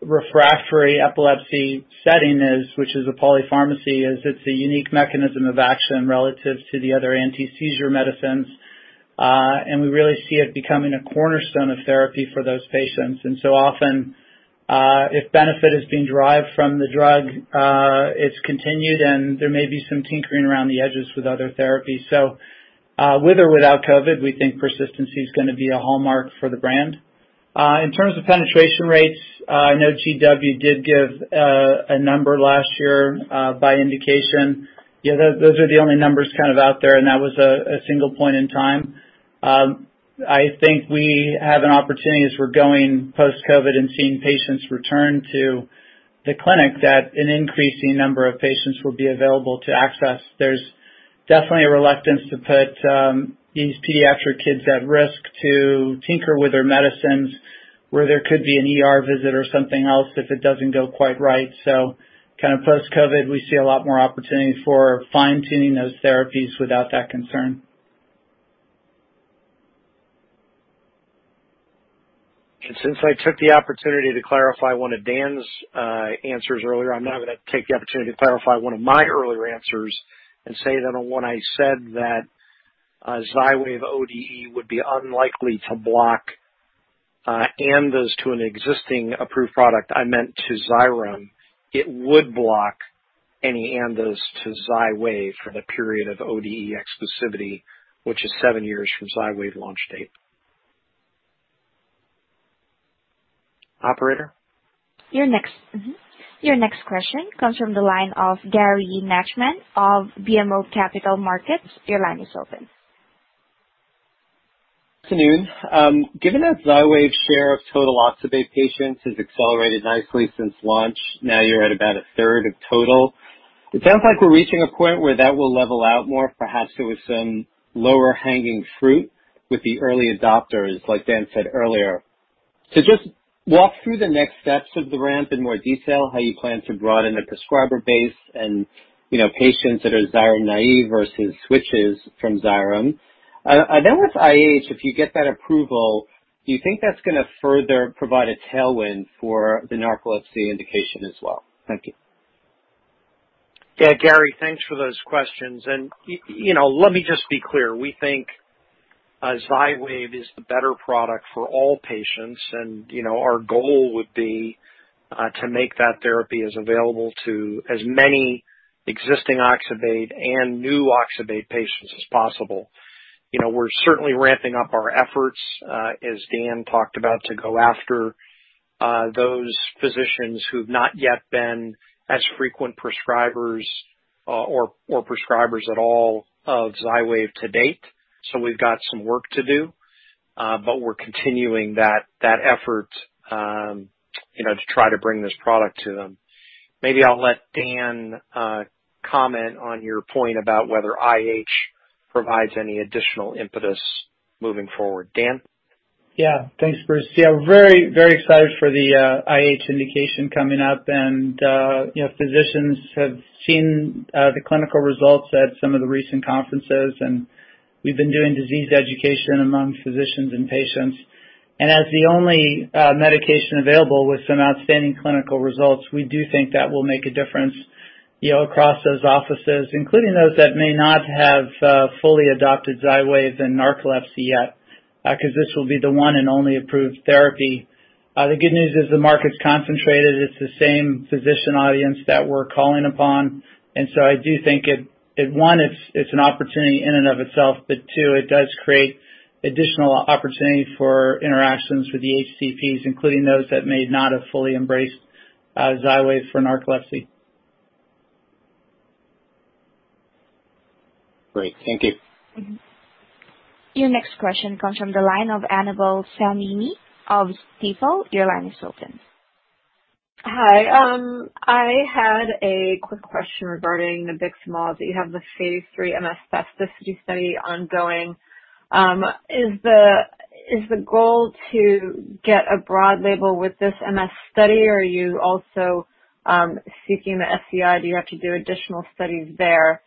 refractory epilepsy setting is, which is a polypharmacy, it's a unique mechanism of action relative to the other anti-seizure medicines. We really see it becoming a cornerstone of therapy for those patients. Often, if benefit is being derived from the drug, it's continued, and there may be some tinkering around the edges with other therapies. With or without COVID, we think persistency is going to be a hallmark for the brand. In terms of penetration rates, I know GW did give a number last year by indication. Those are the only numbers out there, and that was a single point in time. I think we have an opportunity as we're going post-COVID and seeing patients return to the clinic, that an increasing number of patients will be available to access. There's definitely a reluctance to put these pediatric kids at risk to tinker with their medicines where there could be an ER visit or something else if it doesn't go quite right. Post-COVID, we see a lot more opportunity for fine-tuning those therapies without that concern. Since I took the opportunity to clarify one of Dan's answers earlier, I'm now going to take the opportunity to clarify one of my earlier answers and say that on one I said that Xywav ODE would be unlikely to block ANDAs to an existing approved product. I meant to Xyrem. It would block any ANDAs to Xywav for the period of ODE exclusivity, which is seven years from Xywav's launch date. Operator? Your next question comes from the line of Gary Nachman of BMO Capital Markets. Your line is open. Afternoon. Given that Xywav's share of total oxybate patients has accelerated nicely since launch, now you're at about 1/3 of total. It sounds like we're reaching a point where that will level out more, perhaps it was some lower hanging fruit with the early adopters, like Dan said earlier. Just walk through the next steps of the ramp in more detail, how you plan to broaden the prescriber base and patients that are Xyrem naive versus switches from Xyrem. With IH, if you get that approval, do you think that's going to further provide a tailwind for the narcolepsy indication as well? Thank you. Yeah, Gary, thanks for those questions. Let me just be clear. We think Xywav is the better product for all patients, and our goal would be to make that therapy as available to as many existing oxybate and new oxybate patients as possible. We're certainly ramping up our efforts, as Dan talked about, to go after those physicians who've not yet been as frequent prescribers or prescribers at all of Xywav to date. We've got some work to do. We're continuing that effort to try to bring this product to them. Maybe I'll let Dan comment on your point about whether IH provides any additional impetus moving forward. Dan? Yeah. Thanks, Bruce. Yeah, very excited for the IH indication coming up. Physicians have seen the clinical results at some of the recent conferences, and we've been doing disease education among physicians and patients. As the only medication available with some outstanding clinical results, we do think that will make a difference across those offices, including those that may not have fully adopted Xywav and narcolepsy yet, because this will be the one and only approved therapy. The good news is the market's concentrated. It's the same physician audience that we're calling upon. I do think one, it's an opportunity in and of itself. Two, it does create additional opportunity for interactions with the HCPs, including those that may not have fully embraced Xywav for narcolepsy. Great. Thank you. Your next question comes from the line of Annabel Samimy of Stifel. Your line is open. Hi. I had a quick question regarding nabiximols. You have the phase III MS spasticity study ongoing. Is the goal to get a broad label with this MS study or are you also seeking the SCI? Do you have to do additional studies there?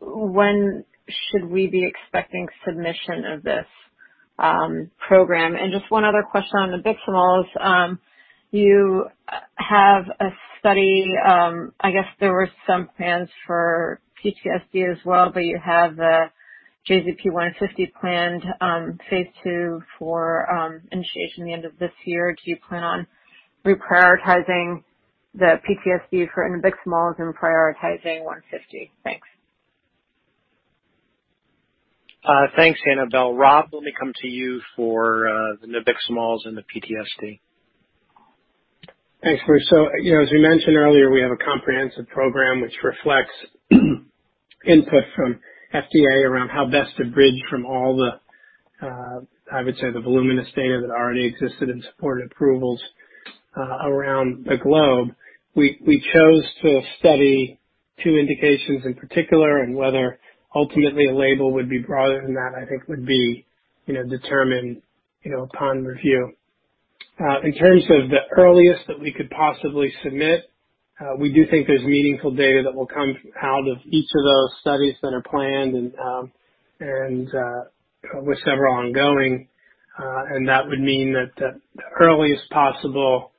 When should we be expecting submission of this program? Just one other question on nabiximols. You have a study, I guess there were some plans for PTSD as well, but you have the JZP150 planned phase II for initiation the end of this year. Do you plan on reprioritizing the PTSD for nabiximols and prioritizing 150? Thanks. Thanks, Annabel. Rob, let me come to you for the nabiximols and the PTSD. Thanks, Bruce. As we mentioned earlier, we have a comprehensive program which reflects input from FDA around how best to bridge from all the, I would say the voluminous data that already existed in support of approvals around the globe. We chose to study two indications in particular, and whether ultimately a label would be broader than that, I think would be determined upon review in terms of the earliest that we could possibly submit. We do think there's meaningful data that will come out of each of those studies that are planned and with several ongoing. That would mean that the earliest possible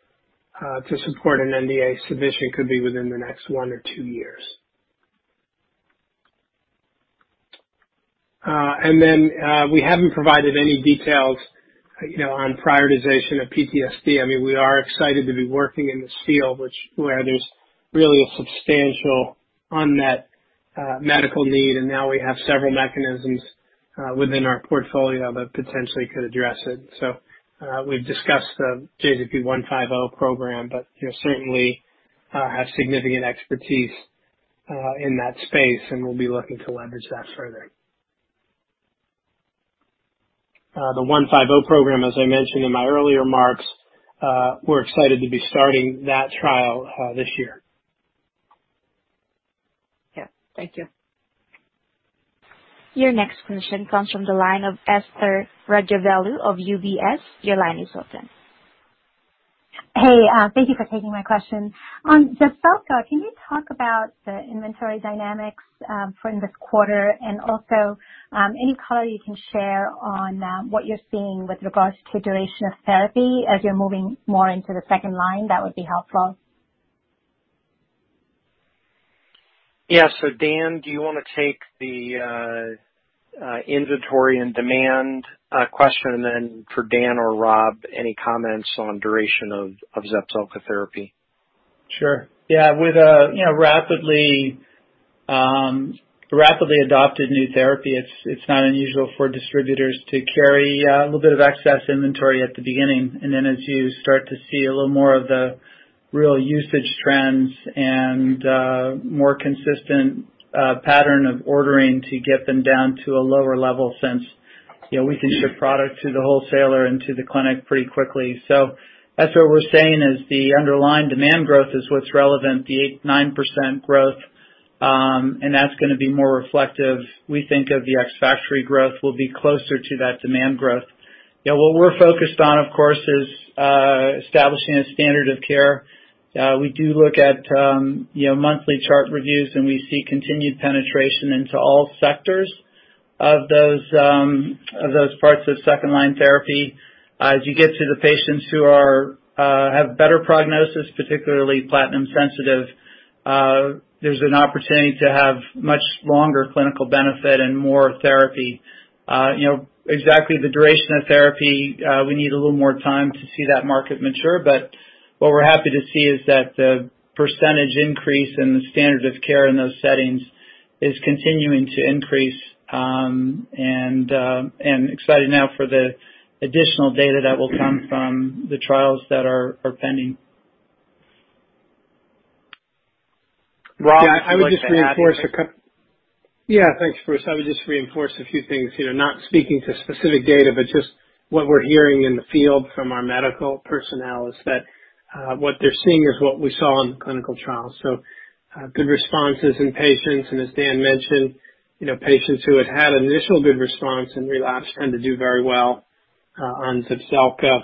to support an NDA submission could be within the next one or two years. We haven't provided any details on prioritization of PTSD. I mean, we are excited to be working in this field, where there's really a substantial unmet medical need, and now we have several mechanisms within our portfolio that potentially could address it. We've discussed the JZP150 program, but certainly have significant expertise in that space, and we'll be looking to leverage that further. The 150 program, as I mentioned in my earlier remarks, we're excited to be starting that trial this year. Yeah. Thank you. Your next question comes from the line of Esther Rajavelu of UBS. Your line is open. Hey, thank you for taking my question. On Xeljanz, can you talk about the inventory dynamics for this quarter and also any color you can share on what you're seeing with regards to duration of therapy as you're moving more into the second line? That would be helpful. Yeah. Dan, do you want to take the inventory and demand question? For Dan or Rob, any comments on duration of Xeljanz therapy? Sure. Yeah. With a rapidly adopted new therapy, it's not unusual for distributors to carry a little bit of excess inventory at the beginning, and then as you start to see a little more of the real usage trends and more consistent pattern of ordering to get them down to a lower level since we can ship product to the wholesaler and to the clinic pretty quickly. That's what we're saying is the underlying demand growth is what's relevant, the 8%-9% growth, and that's going to be more reflective. We think that the ex-factory growth will be closer to that demand growth. What we're focused on, of course, is establishing a standard of care. We do look at monthly chart reviews, and we see continued penetration into all sectors of those parts of second-line therapy. As you get to the patients who have better prognosis, particularly platinum sensitive, there's an opportunity to have much longer clinical benefit and more therapy. Exactly the duration of therapy, we need a little more time to see that market mature. What we're happy to see is that the percentage increase in the standard of care in those settings is continuing to increase, and excited now for the additional data that will come from the trials that are pending. Rob, would you like to add anything? Yeah. Thanks, Bruce. I would just reinforce a few things. Not speaking to specific data, but just what we're hearing in the field from our medical personnel is that what they're seeing is what we saw in the clinical trial. Good responses in patients, and as Dan mentioned, patients who had had an initial good response and relapsed tend to do very well on Zepzelca.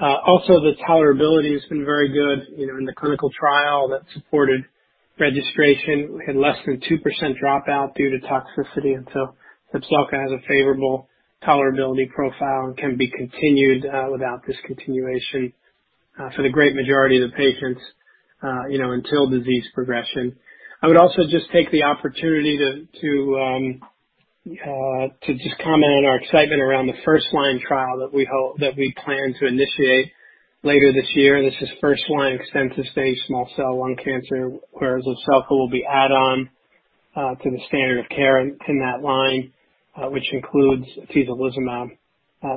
Also, the tolerability has been very good. In the clinical trial that supported registration, we had less than 2% dropout due to toxicity, and so Zepzelca has a favorable tolerability profile and can be continued without discontinuation for the great majority of the patients until disease progression. I would also just take the opportunity to just comment on our excitement around the first-line trial that we plan to initiate later this year, and this is first-line extensive stage small cell lung cancer, whereas Zepzelca will be add on to the standard of care in that line, which includes atezolizumab.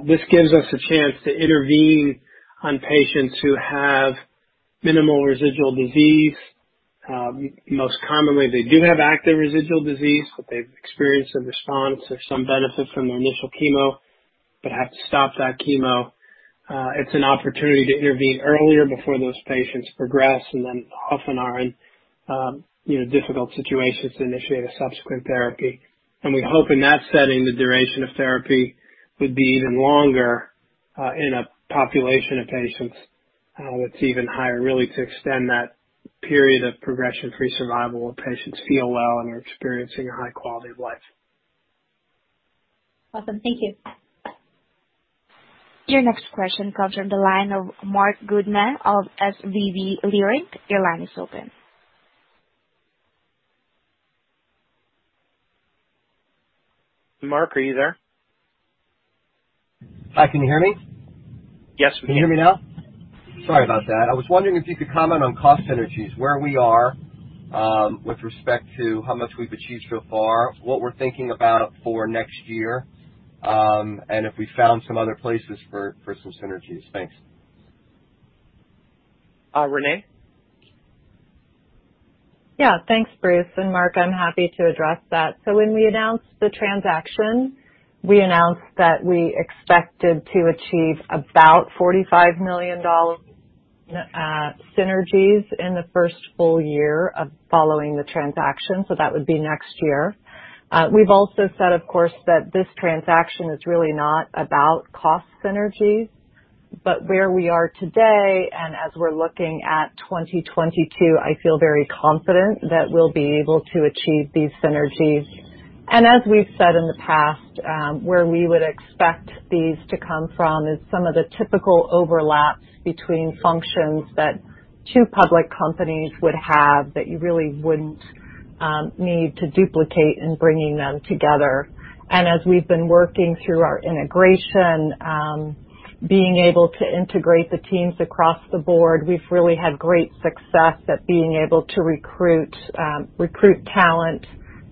This gives us a chance to intervene on patients who have minimal residual disease. Most commonly, they do have active residual disease, but they've experienced a response or some benefit from their initial chemo, but have to stop that chemo. It's an opportunity to intervene earlier before those patients progress and then often are in difficult situations to initiate a subsequent therapy. We hope in that setting, the duration of therapy would be even longer in a population of patients that's even higher, really to extend that period of progression-free survival where patients feel well and are experiencing a high quality of life. Awesome. Thank you. Your next question comes from the line of Marc Goodman of SVB Leerink. Your line is open. Marc, are you there? Hi, can you hear me? Yes, we can. Can you hear me now? Sorry about that. I was wondering if you could comment on cost synergies, where we are with respect to how much we've achieved so far, what we're thinking about for next year, and if we found some other places for some synergies. Thanks. Renée? Yeah. Thanks, Bruce. Marc, I am happy to address that. When we announced the transaction, we announced that we expected to achieve about $45 million synergies in the first full year of following the transaction, so that would be next year. We've also said, of course, that this transaction is really not about cost synergies, but where we are today, and as we are looking at 2022, I feel very confident that we will be able to achieve these synergies. As we've said in the past, where we would expect these to come from is some of the typical overlaps between functions that two public companies would have that you really wouldn't need to duplicate in bringing them together. As we've been working through our integration, being able to integrate the teams across the board, we've really had great success at being able to recruit talent,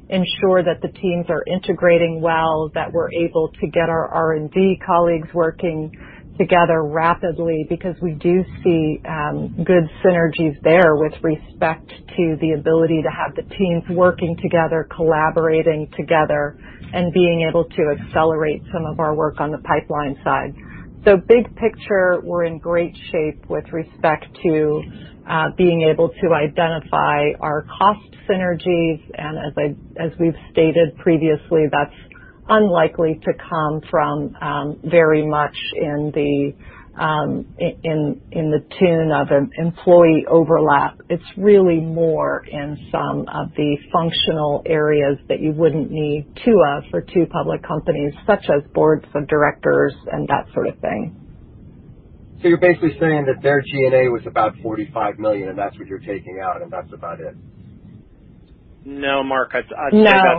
ensure that the teams are integrating well, that we're able to get our R&D colleagues working together rapidly, because we do see good synergies there with respect to the ability to have the teams working together, collaborating together, and being able to accelerate some of our work on the pipeline side. Big picture, we're in great shape with respect to being able to identify our cost synergies, and as we've stated previously, that's unlikely to come from very much in the tune of employee overlap. It's really more in some of the functional areas that you wouldn't need two of for two public companies, such as boards of directors and that sort of thing. You're basically saying that their G&A was about $45 million, and that's what you're taking out, and that's about it. No, Marc. No. I'd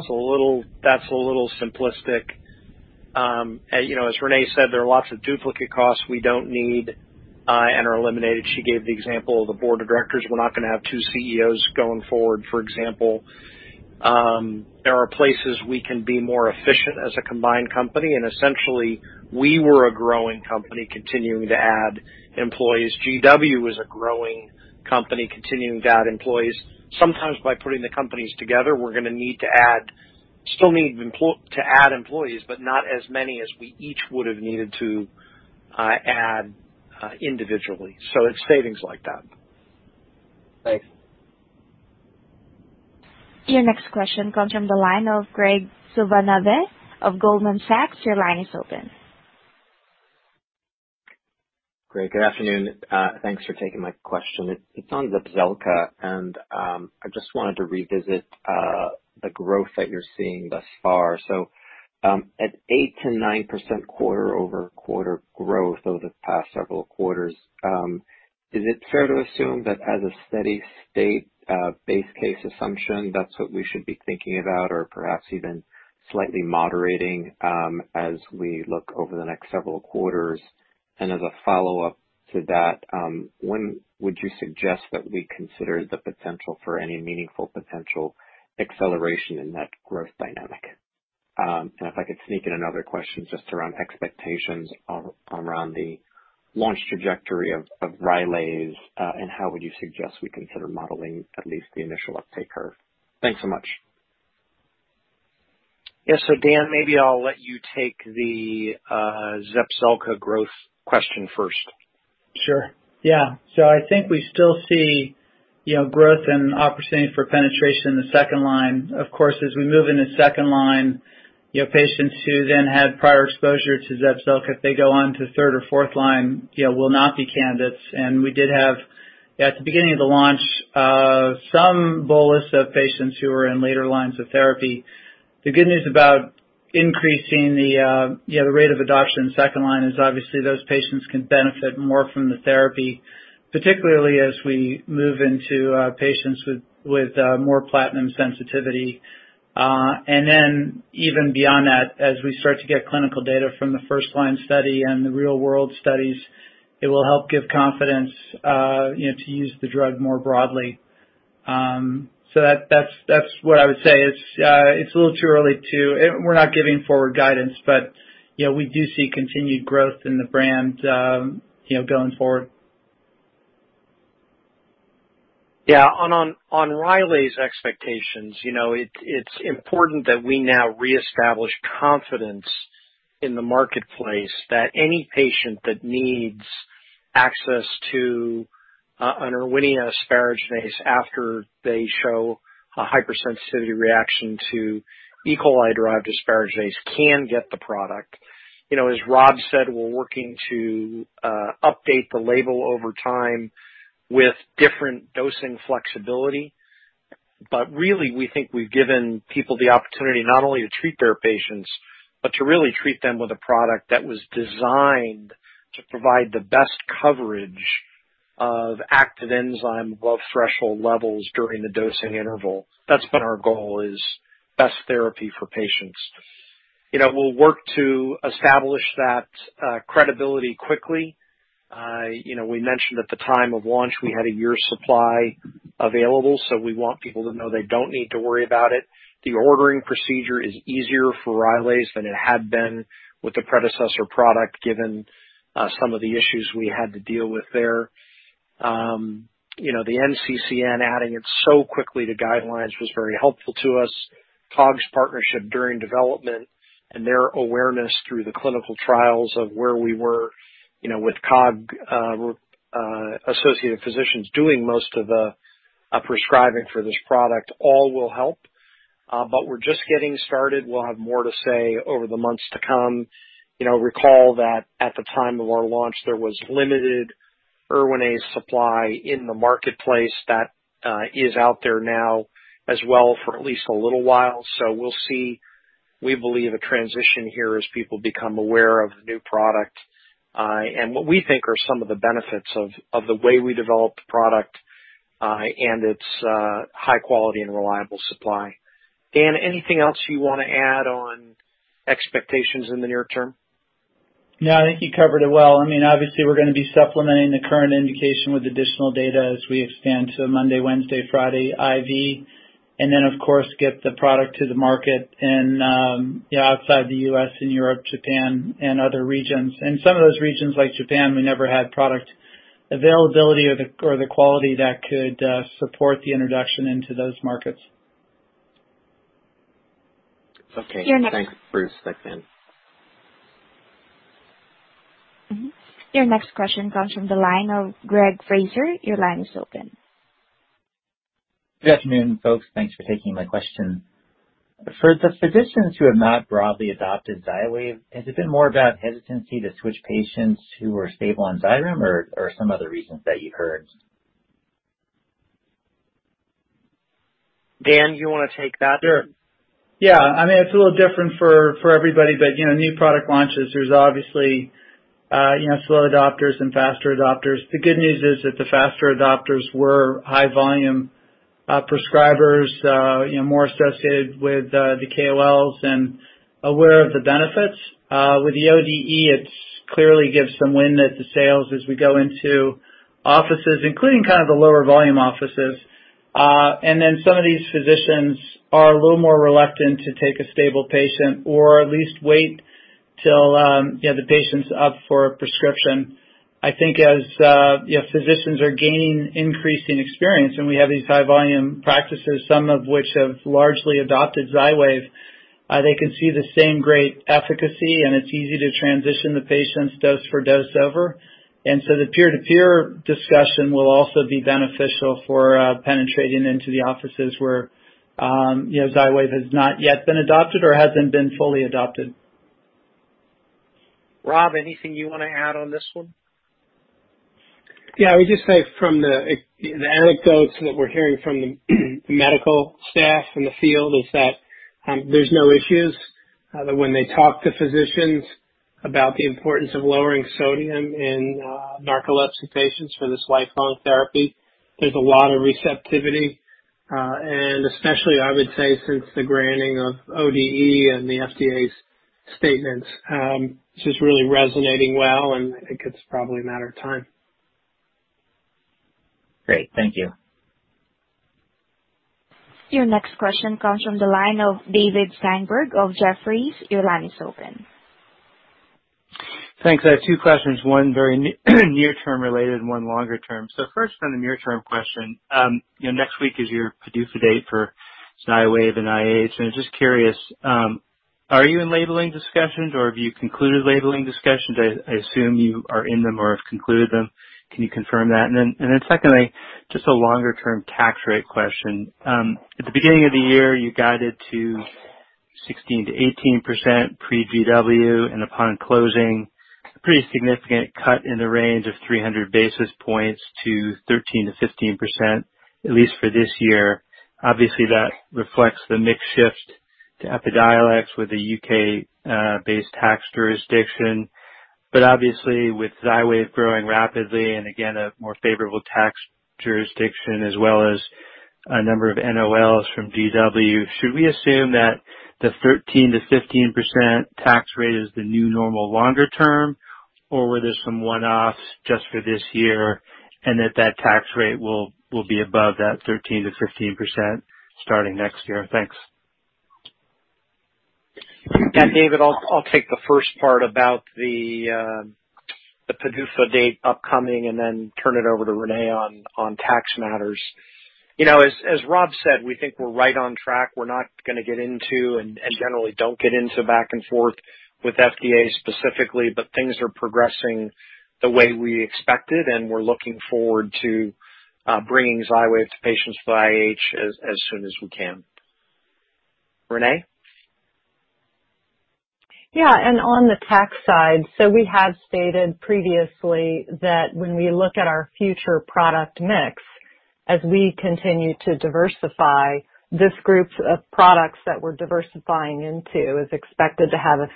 say that's a little simplistic. As Renée said, there are lots of duplicate costs we don't need and are eliminated. She gave the example of the board of directors. We're not going to have two CEOs going forward, for example. There are places we can be more efficient as a combined company. Essentially, we were a growing company continuing to add employees. GW is a growing company continuing to add employees. Sometimes by putting the companies together, we're going to need to add employees, but not as many as we each would've needed to add individually. It's savings like that. Thanks. Your next question comes from the line of Graig Suvannavejh of Goldman Sachs. Your line is open. Graig, good afternoon. Thanks for taking my question. It's on Zepzelca. I just wanted to revisit the growth that you're seeing thus far. At 8%-9% quarter-over-quarter growth over the past several quarters, is it fair to assume that as a steady state, base case assumption, that's what we should be thinking about, or perhaps even slightly moderating, as we look over the next several quarters? As a follow-up to that, when would you suggest that we consider the potential for any meaningful potential acceleration in that growth dynamic? If I could sneak in another question just around expectations, around the launch trajectory of Rylaze, and how would you suggest we consider modeling at least the initial uptake curve? Thanks so much. Yes. Dan, maybe I'll let you take the Zepzelca growth question first. Sure. Yeah. I think we still see growth and opportunity for penetration in the second line. Of course, as we move into second line, patients who then had prior exposure to Zepzelca, if they go on to third or fourth line will not be candidates. We did have, at the beginning of the launch, some bolus of patients who were in later lines of therapy. The good news about increasing the rate of adoption 2nd line is obviously those patients can benefit more from the therapy, particularly as we move into patients with more platinum sensitivity. Even beyond that, as we start to get clinical data from the 1st line study and the real-world studies, it will help give confidence to use the drug more broadly. That's what I would say. It's a little too early. We're not giving forward guidance. We do see continued growth in the brand going forward. Yeah. On Rylaze expectations, it's important that we now reestablish confidence in the marketplace that any patient that needs access to an Erwinia asparaginase after they show a hypersensitivity reaction to E. coli-derived asparaginase can get the product. As Rob said, we're working to update the label over time with different dosing flexibility. Really, we think we've given people the opportunity not only to treat their patients, but to really treat them with a product that was designed to provide the best coverage of active enzyme above threshold levels during the dosing interval. That's been our goal is best therapy for patients. We'll work to establish that credibility quickly. We mentioned at the time of launch, we had a year's supply available, we want people to know they don't need to worry about it. The ordering procedure is easier for Rylaze than it had been with the predecessor product, given some of the issues we had to deal with there. The NCCN adding it so quickly to guidelines was very helpful to us. COG's partnership during development and their awareness through the clinical trials of where we were with COG associated physicians doing most of the prescribing for this product all will help. We're just getting started. We'll have more to say over the months to come. Recall that at the time of our launch, there was limited Erwinaze supply in the marketplace. That is out there now as well for at least a little while. We'll see, we believe, a transition here as people become aware of the new product, and what we think are some of the benefits of the way we developed the product, and its high quality and reliable supply. Dan, anything else you want to add on expectations in the near term? No, I think you covered it well. Obviously, we're going to be supplementing the current indication with additional data as we expand to Monday, Wednesday, Friday IV, and then of course, get the product to the market outside the U.S., in Europe, Japan, and other regions. Some of those regions, like Japan, we never had product availability or the quality that could support the introduction into those markets. Okay. Thanks. Bruce, thanks, Dan. Mm-hmm. Your next question comes from the line of Greg Fraser. Your line is open. Good afternoon, folks. Thanks for taking my question. For the physicians who have not broadly adopted Xywav, has it been more about hesitancy to switch patients who are stable on Xyrem or some other reasons that you've heard? Dan, you want to take that? Sure. Yeah. It's a little different for everybody, but new product launches, there's obviously slow adopters and faster adopters. The good news is that the faster adopters were high volume prescribers, more associated with the KOLs and aware of the benefits. With the ODE, it clearly gives some wind at the sails as we go into offices, including the lower volume offices. Some of these physicians are a little more reluctant to take a stable patient or at least wait till the patient's up for a prescription. I think as physicians are gaining increasing experience, and we have these high volume practices, some of which have largely adopted Xywav, they can see the same great efficacy, and it's easy to transition the patients dose for dose over. The peer-to-peer discussion will also be beneficial for penetrating into the offices where Xywav has not yet been adopted or hasn't been fully adopted. Rob, anything you want to add on this one? Yeah. I would just say from the anecdotes that we're hearing from the medical staff in the field is that there's no issues. When they talk to physicians about the importance of lowering sodium in narcolepsy patients for this lifelong therapy, there's a lot of receptivity. Especially, I would say, since the granting of ODE and the FDA's statements, it's just really resonating well, and I think it's probably a matter of time. Great. Thank you. Your next question comes from the line of David Steinberg of Jefferies. Your line is open. Thanks. I have two questions. One very near term related, one longer term. First, on the near term question. Next week is your PDUFA date for Xywav and IH. I'm just curious, are you in labeling discussions or have you concluded labeling discussions? I assume you are in them or have concluded them. Can you confirm that? Secondly, just a longer term tax rate question. At the beginning of the year, you guided to 16%-18% pre-GW, and upon closing, a pretty significant cut in the range of 300 basis points to 13%-15%, at least for this year. Obviously, that reflects the mix shift to Epidiolex with the U.K.-based tax jurisdiction. Obviously with Xywav growing rapidly and again, a more favorable tax jurisdiction as well as a number of NOLs from GW, should we assume that the 13%-15% tax rate is the new normal longer term, or were there some one-offs just for this year and that that tax rate will be above that 13%-15% starting next year? Thanks. David, I'll take the first part about the PDUFA date upcoming and then turn it over to Renée on tax matters. As Rob said, we think we're right on track. We're not going to get into, and generally don't get into back and forth with FDA specifically, but things are progressing the way we expected, and we're looking forward to bringing Xywav to patients via IH as soon as we can. Renée? Yeah. On the tax side, we have stated previously that when we look at our future product mix, as we continue to diversify, this group of products that we're diversifying into is expected to have a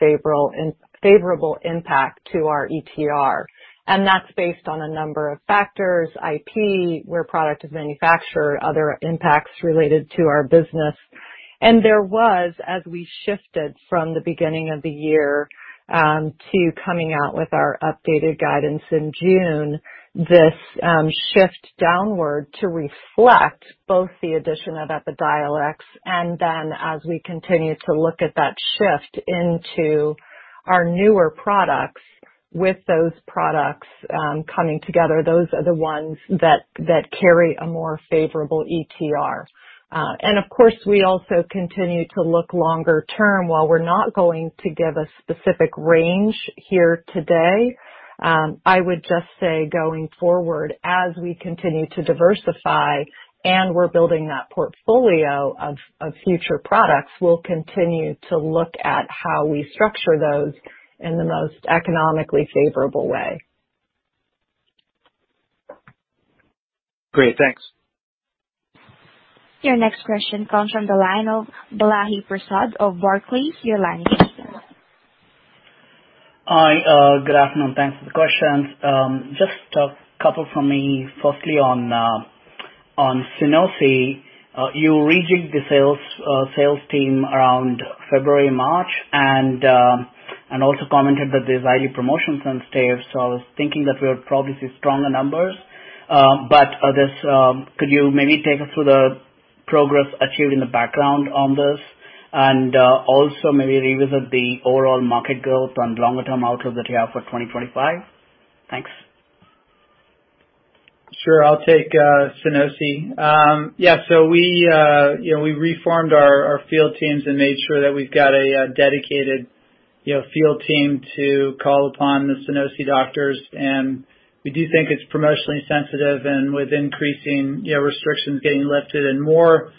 favorable impact to our ETR. That's based on a number of factors. IP, where product is manufactured, other impacts related to our business. There was, as we shifted from the beginning of the year to coming out with our updated guidance in June, this shift downward to reflect both the addition of Epidiolex and then as we continue to look at that shift into our newer products with those products coming together. Those are the ones that carry a more favorable ETR. Of course, we also continue to look longer term. While we're not going to give a specific range here today, I would just say going forward, as we continue to diversify and we're building that portfolio of future products, we'll continue to look at how we structure those in the most economically favorable way. Great. Thanks. Your next question comes from the line of Balaji Prasad of Barclays. Your line is open. Hi. Good afternoon. Thanks for the questions. Just a couple from me. Firstly, on Sunosi. You rejigged the sales team around February, March and also commented that there's value promotions on Sunosi. I was thinking that we'll probably see stronger numbers. Could you maybe take us through the progress achieved in the background on this? Also maybe revisit the overall market growth on longer term outlook that you have for 2025. Thanks. Sure. I'll take Sunosi. Yeah. We reformed our field teams and made sure that we've got a dedicated field team to call upon the Sunosi doctors. We do think it's promotionally sensitive and with increasing restrictions getting lifted and more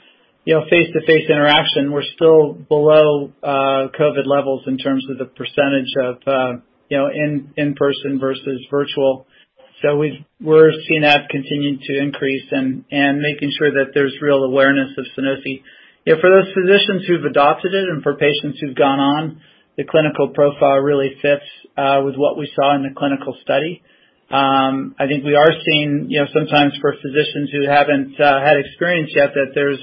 face-to-face interaction, we're still below COVID levels in terms of the percentage of in-person versus virtual. We're seeing that continue to increase and making sure that there's real awareness of Sunosi. For those physicians who've adopted it and for patients who've gone on, the clinical profile really fits with what we saw in the clinical study. I think we are seeing sometimes for physicians who haven't had experience yet, that there's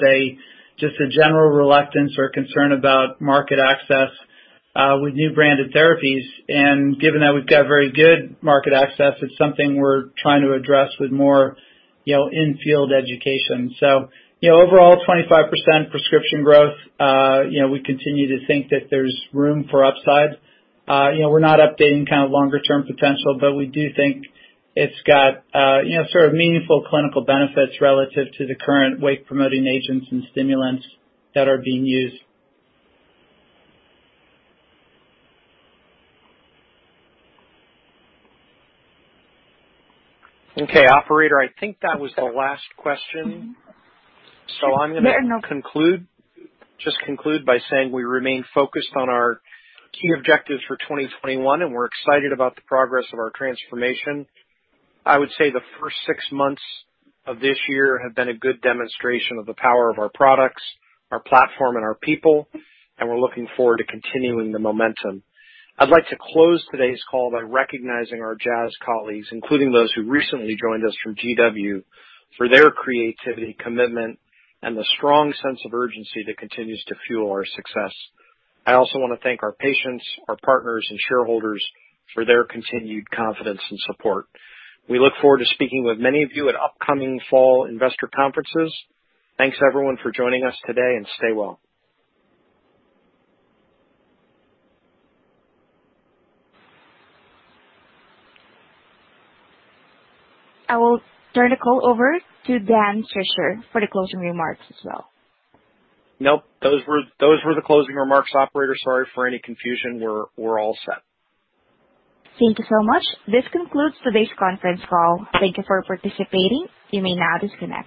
just a general reluctance or concern about market access, with new branded therapies. Given that we've got very good market access, it's something we're trying to address with more in-field education. Overall, 25% prescription growth. We continue to think that there's room for upside. We're not updating longer term potential. We do think it's got sort of meaningful clinical benefits relative to the current wake-promoting agents and stimulants that are being used. Okay, operator, I think that was the last question. So I'm going to- There are no- Conclude. Just conclude by saying we remain focused on our key objectives for 2021. We're excited about the progress of our transformation. I would say the first six months of this year have been a good demonstration of the power of our products, our platform, and our people. We're looking forward to continuing the momentum. I'd like to close today's call by recognizing our Jazz colleagues, including those who recently joined us from GW, for their creativity, commitment, and the strong sense of urgency that continues to fuel our success. I also want to thank our patients, our partners, and shareholders for their continued confidence and support. We look forward to speaking with many of you at upcoming fall investor conferences. Thanks everyone for joining us today. Stay well. I will turn the call over to Dan Swisher for the closing remarks as well. Nope. Those were the closing remarks, operator. Sorry for any confusion. We're all set. Thank you so much. This concludes today's conference call. Thank you for participating. You may now disconnect.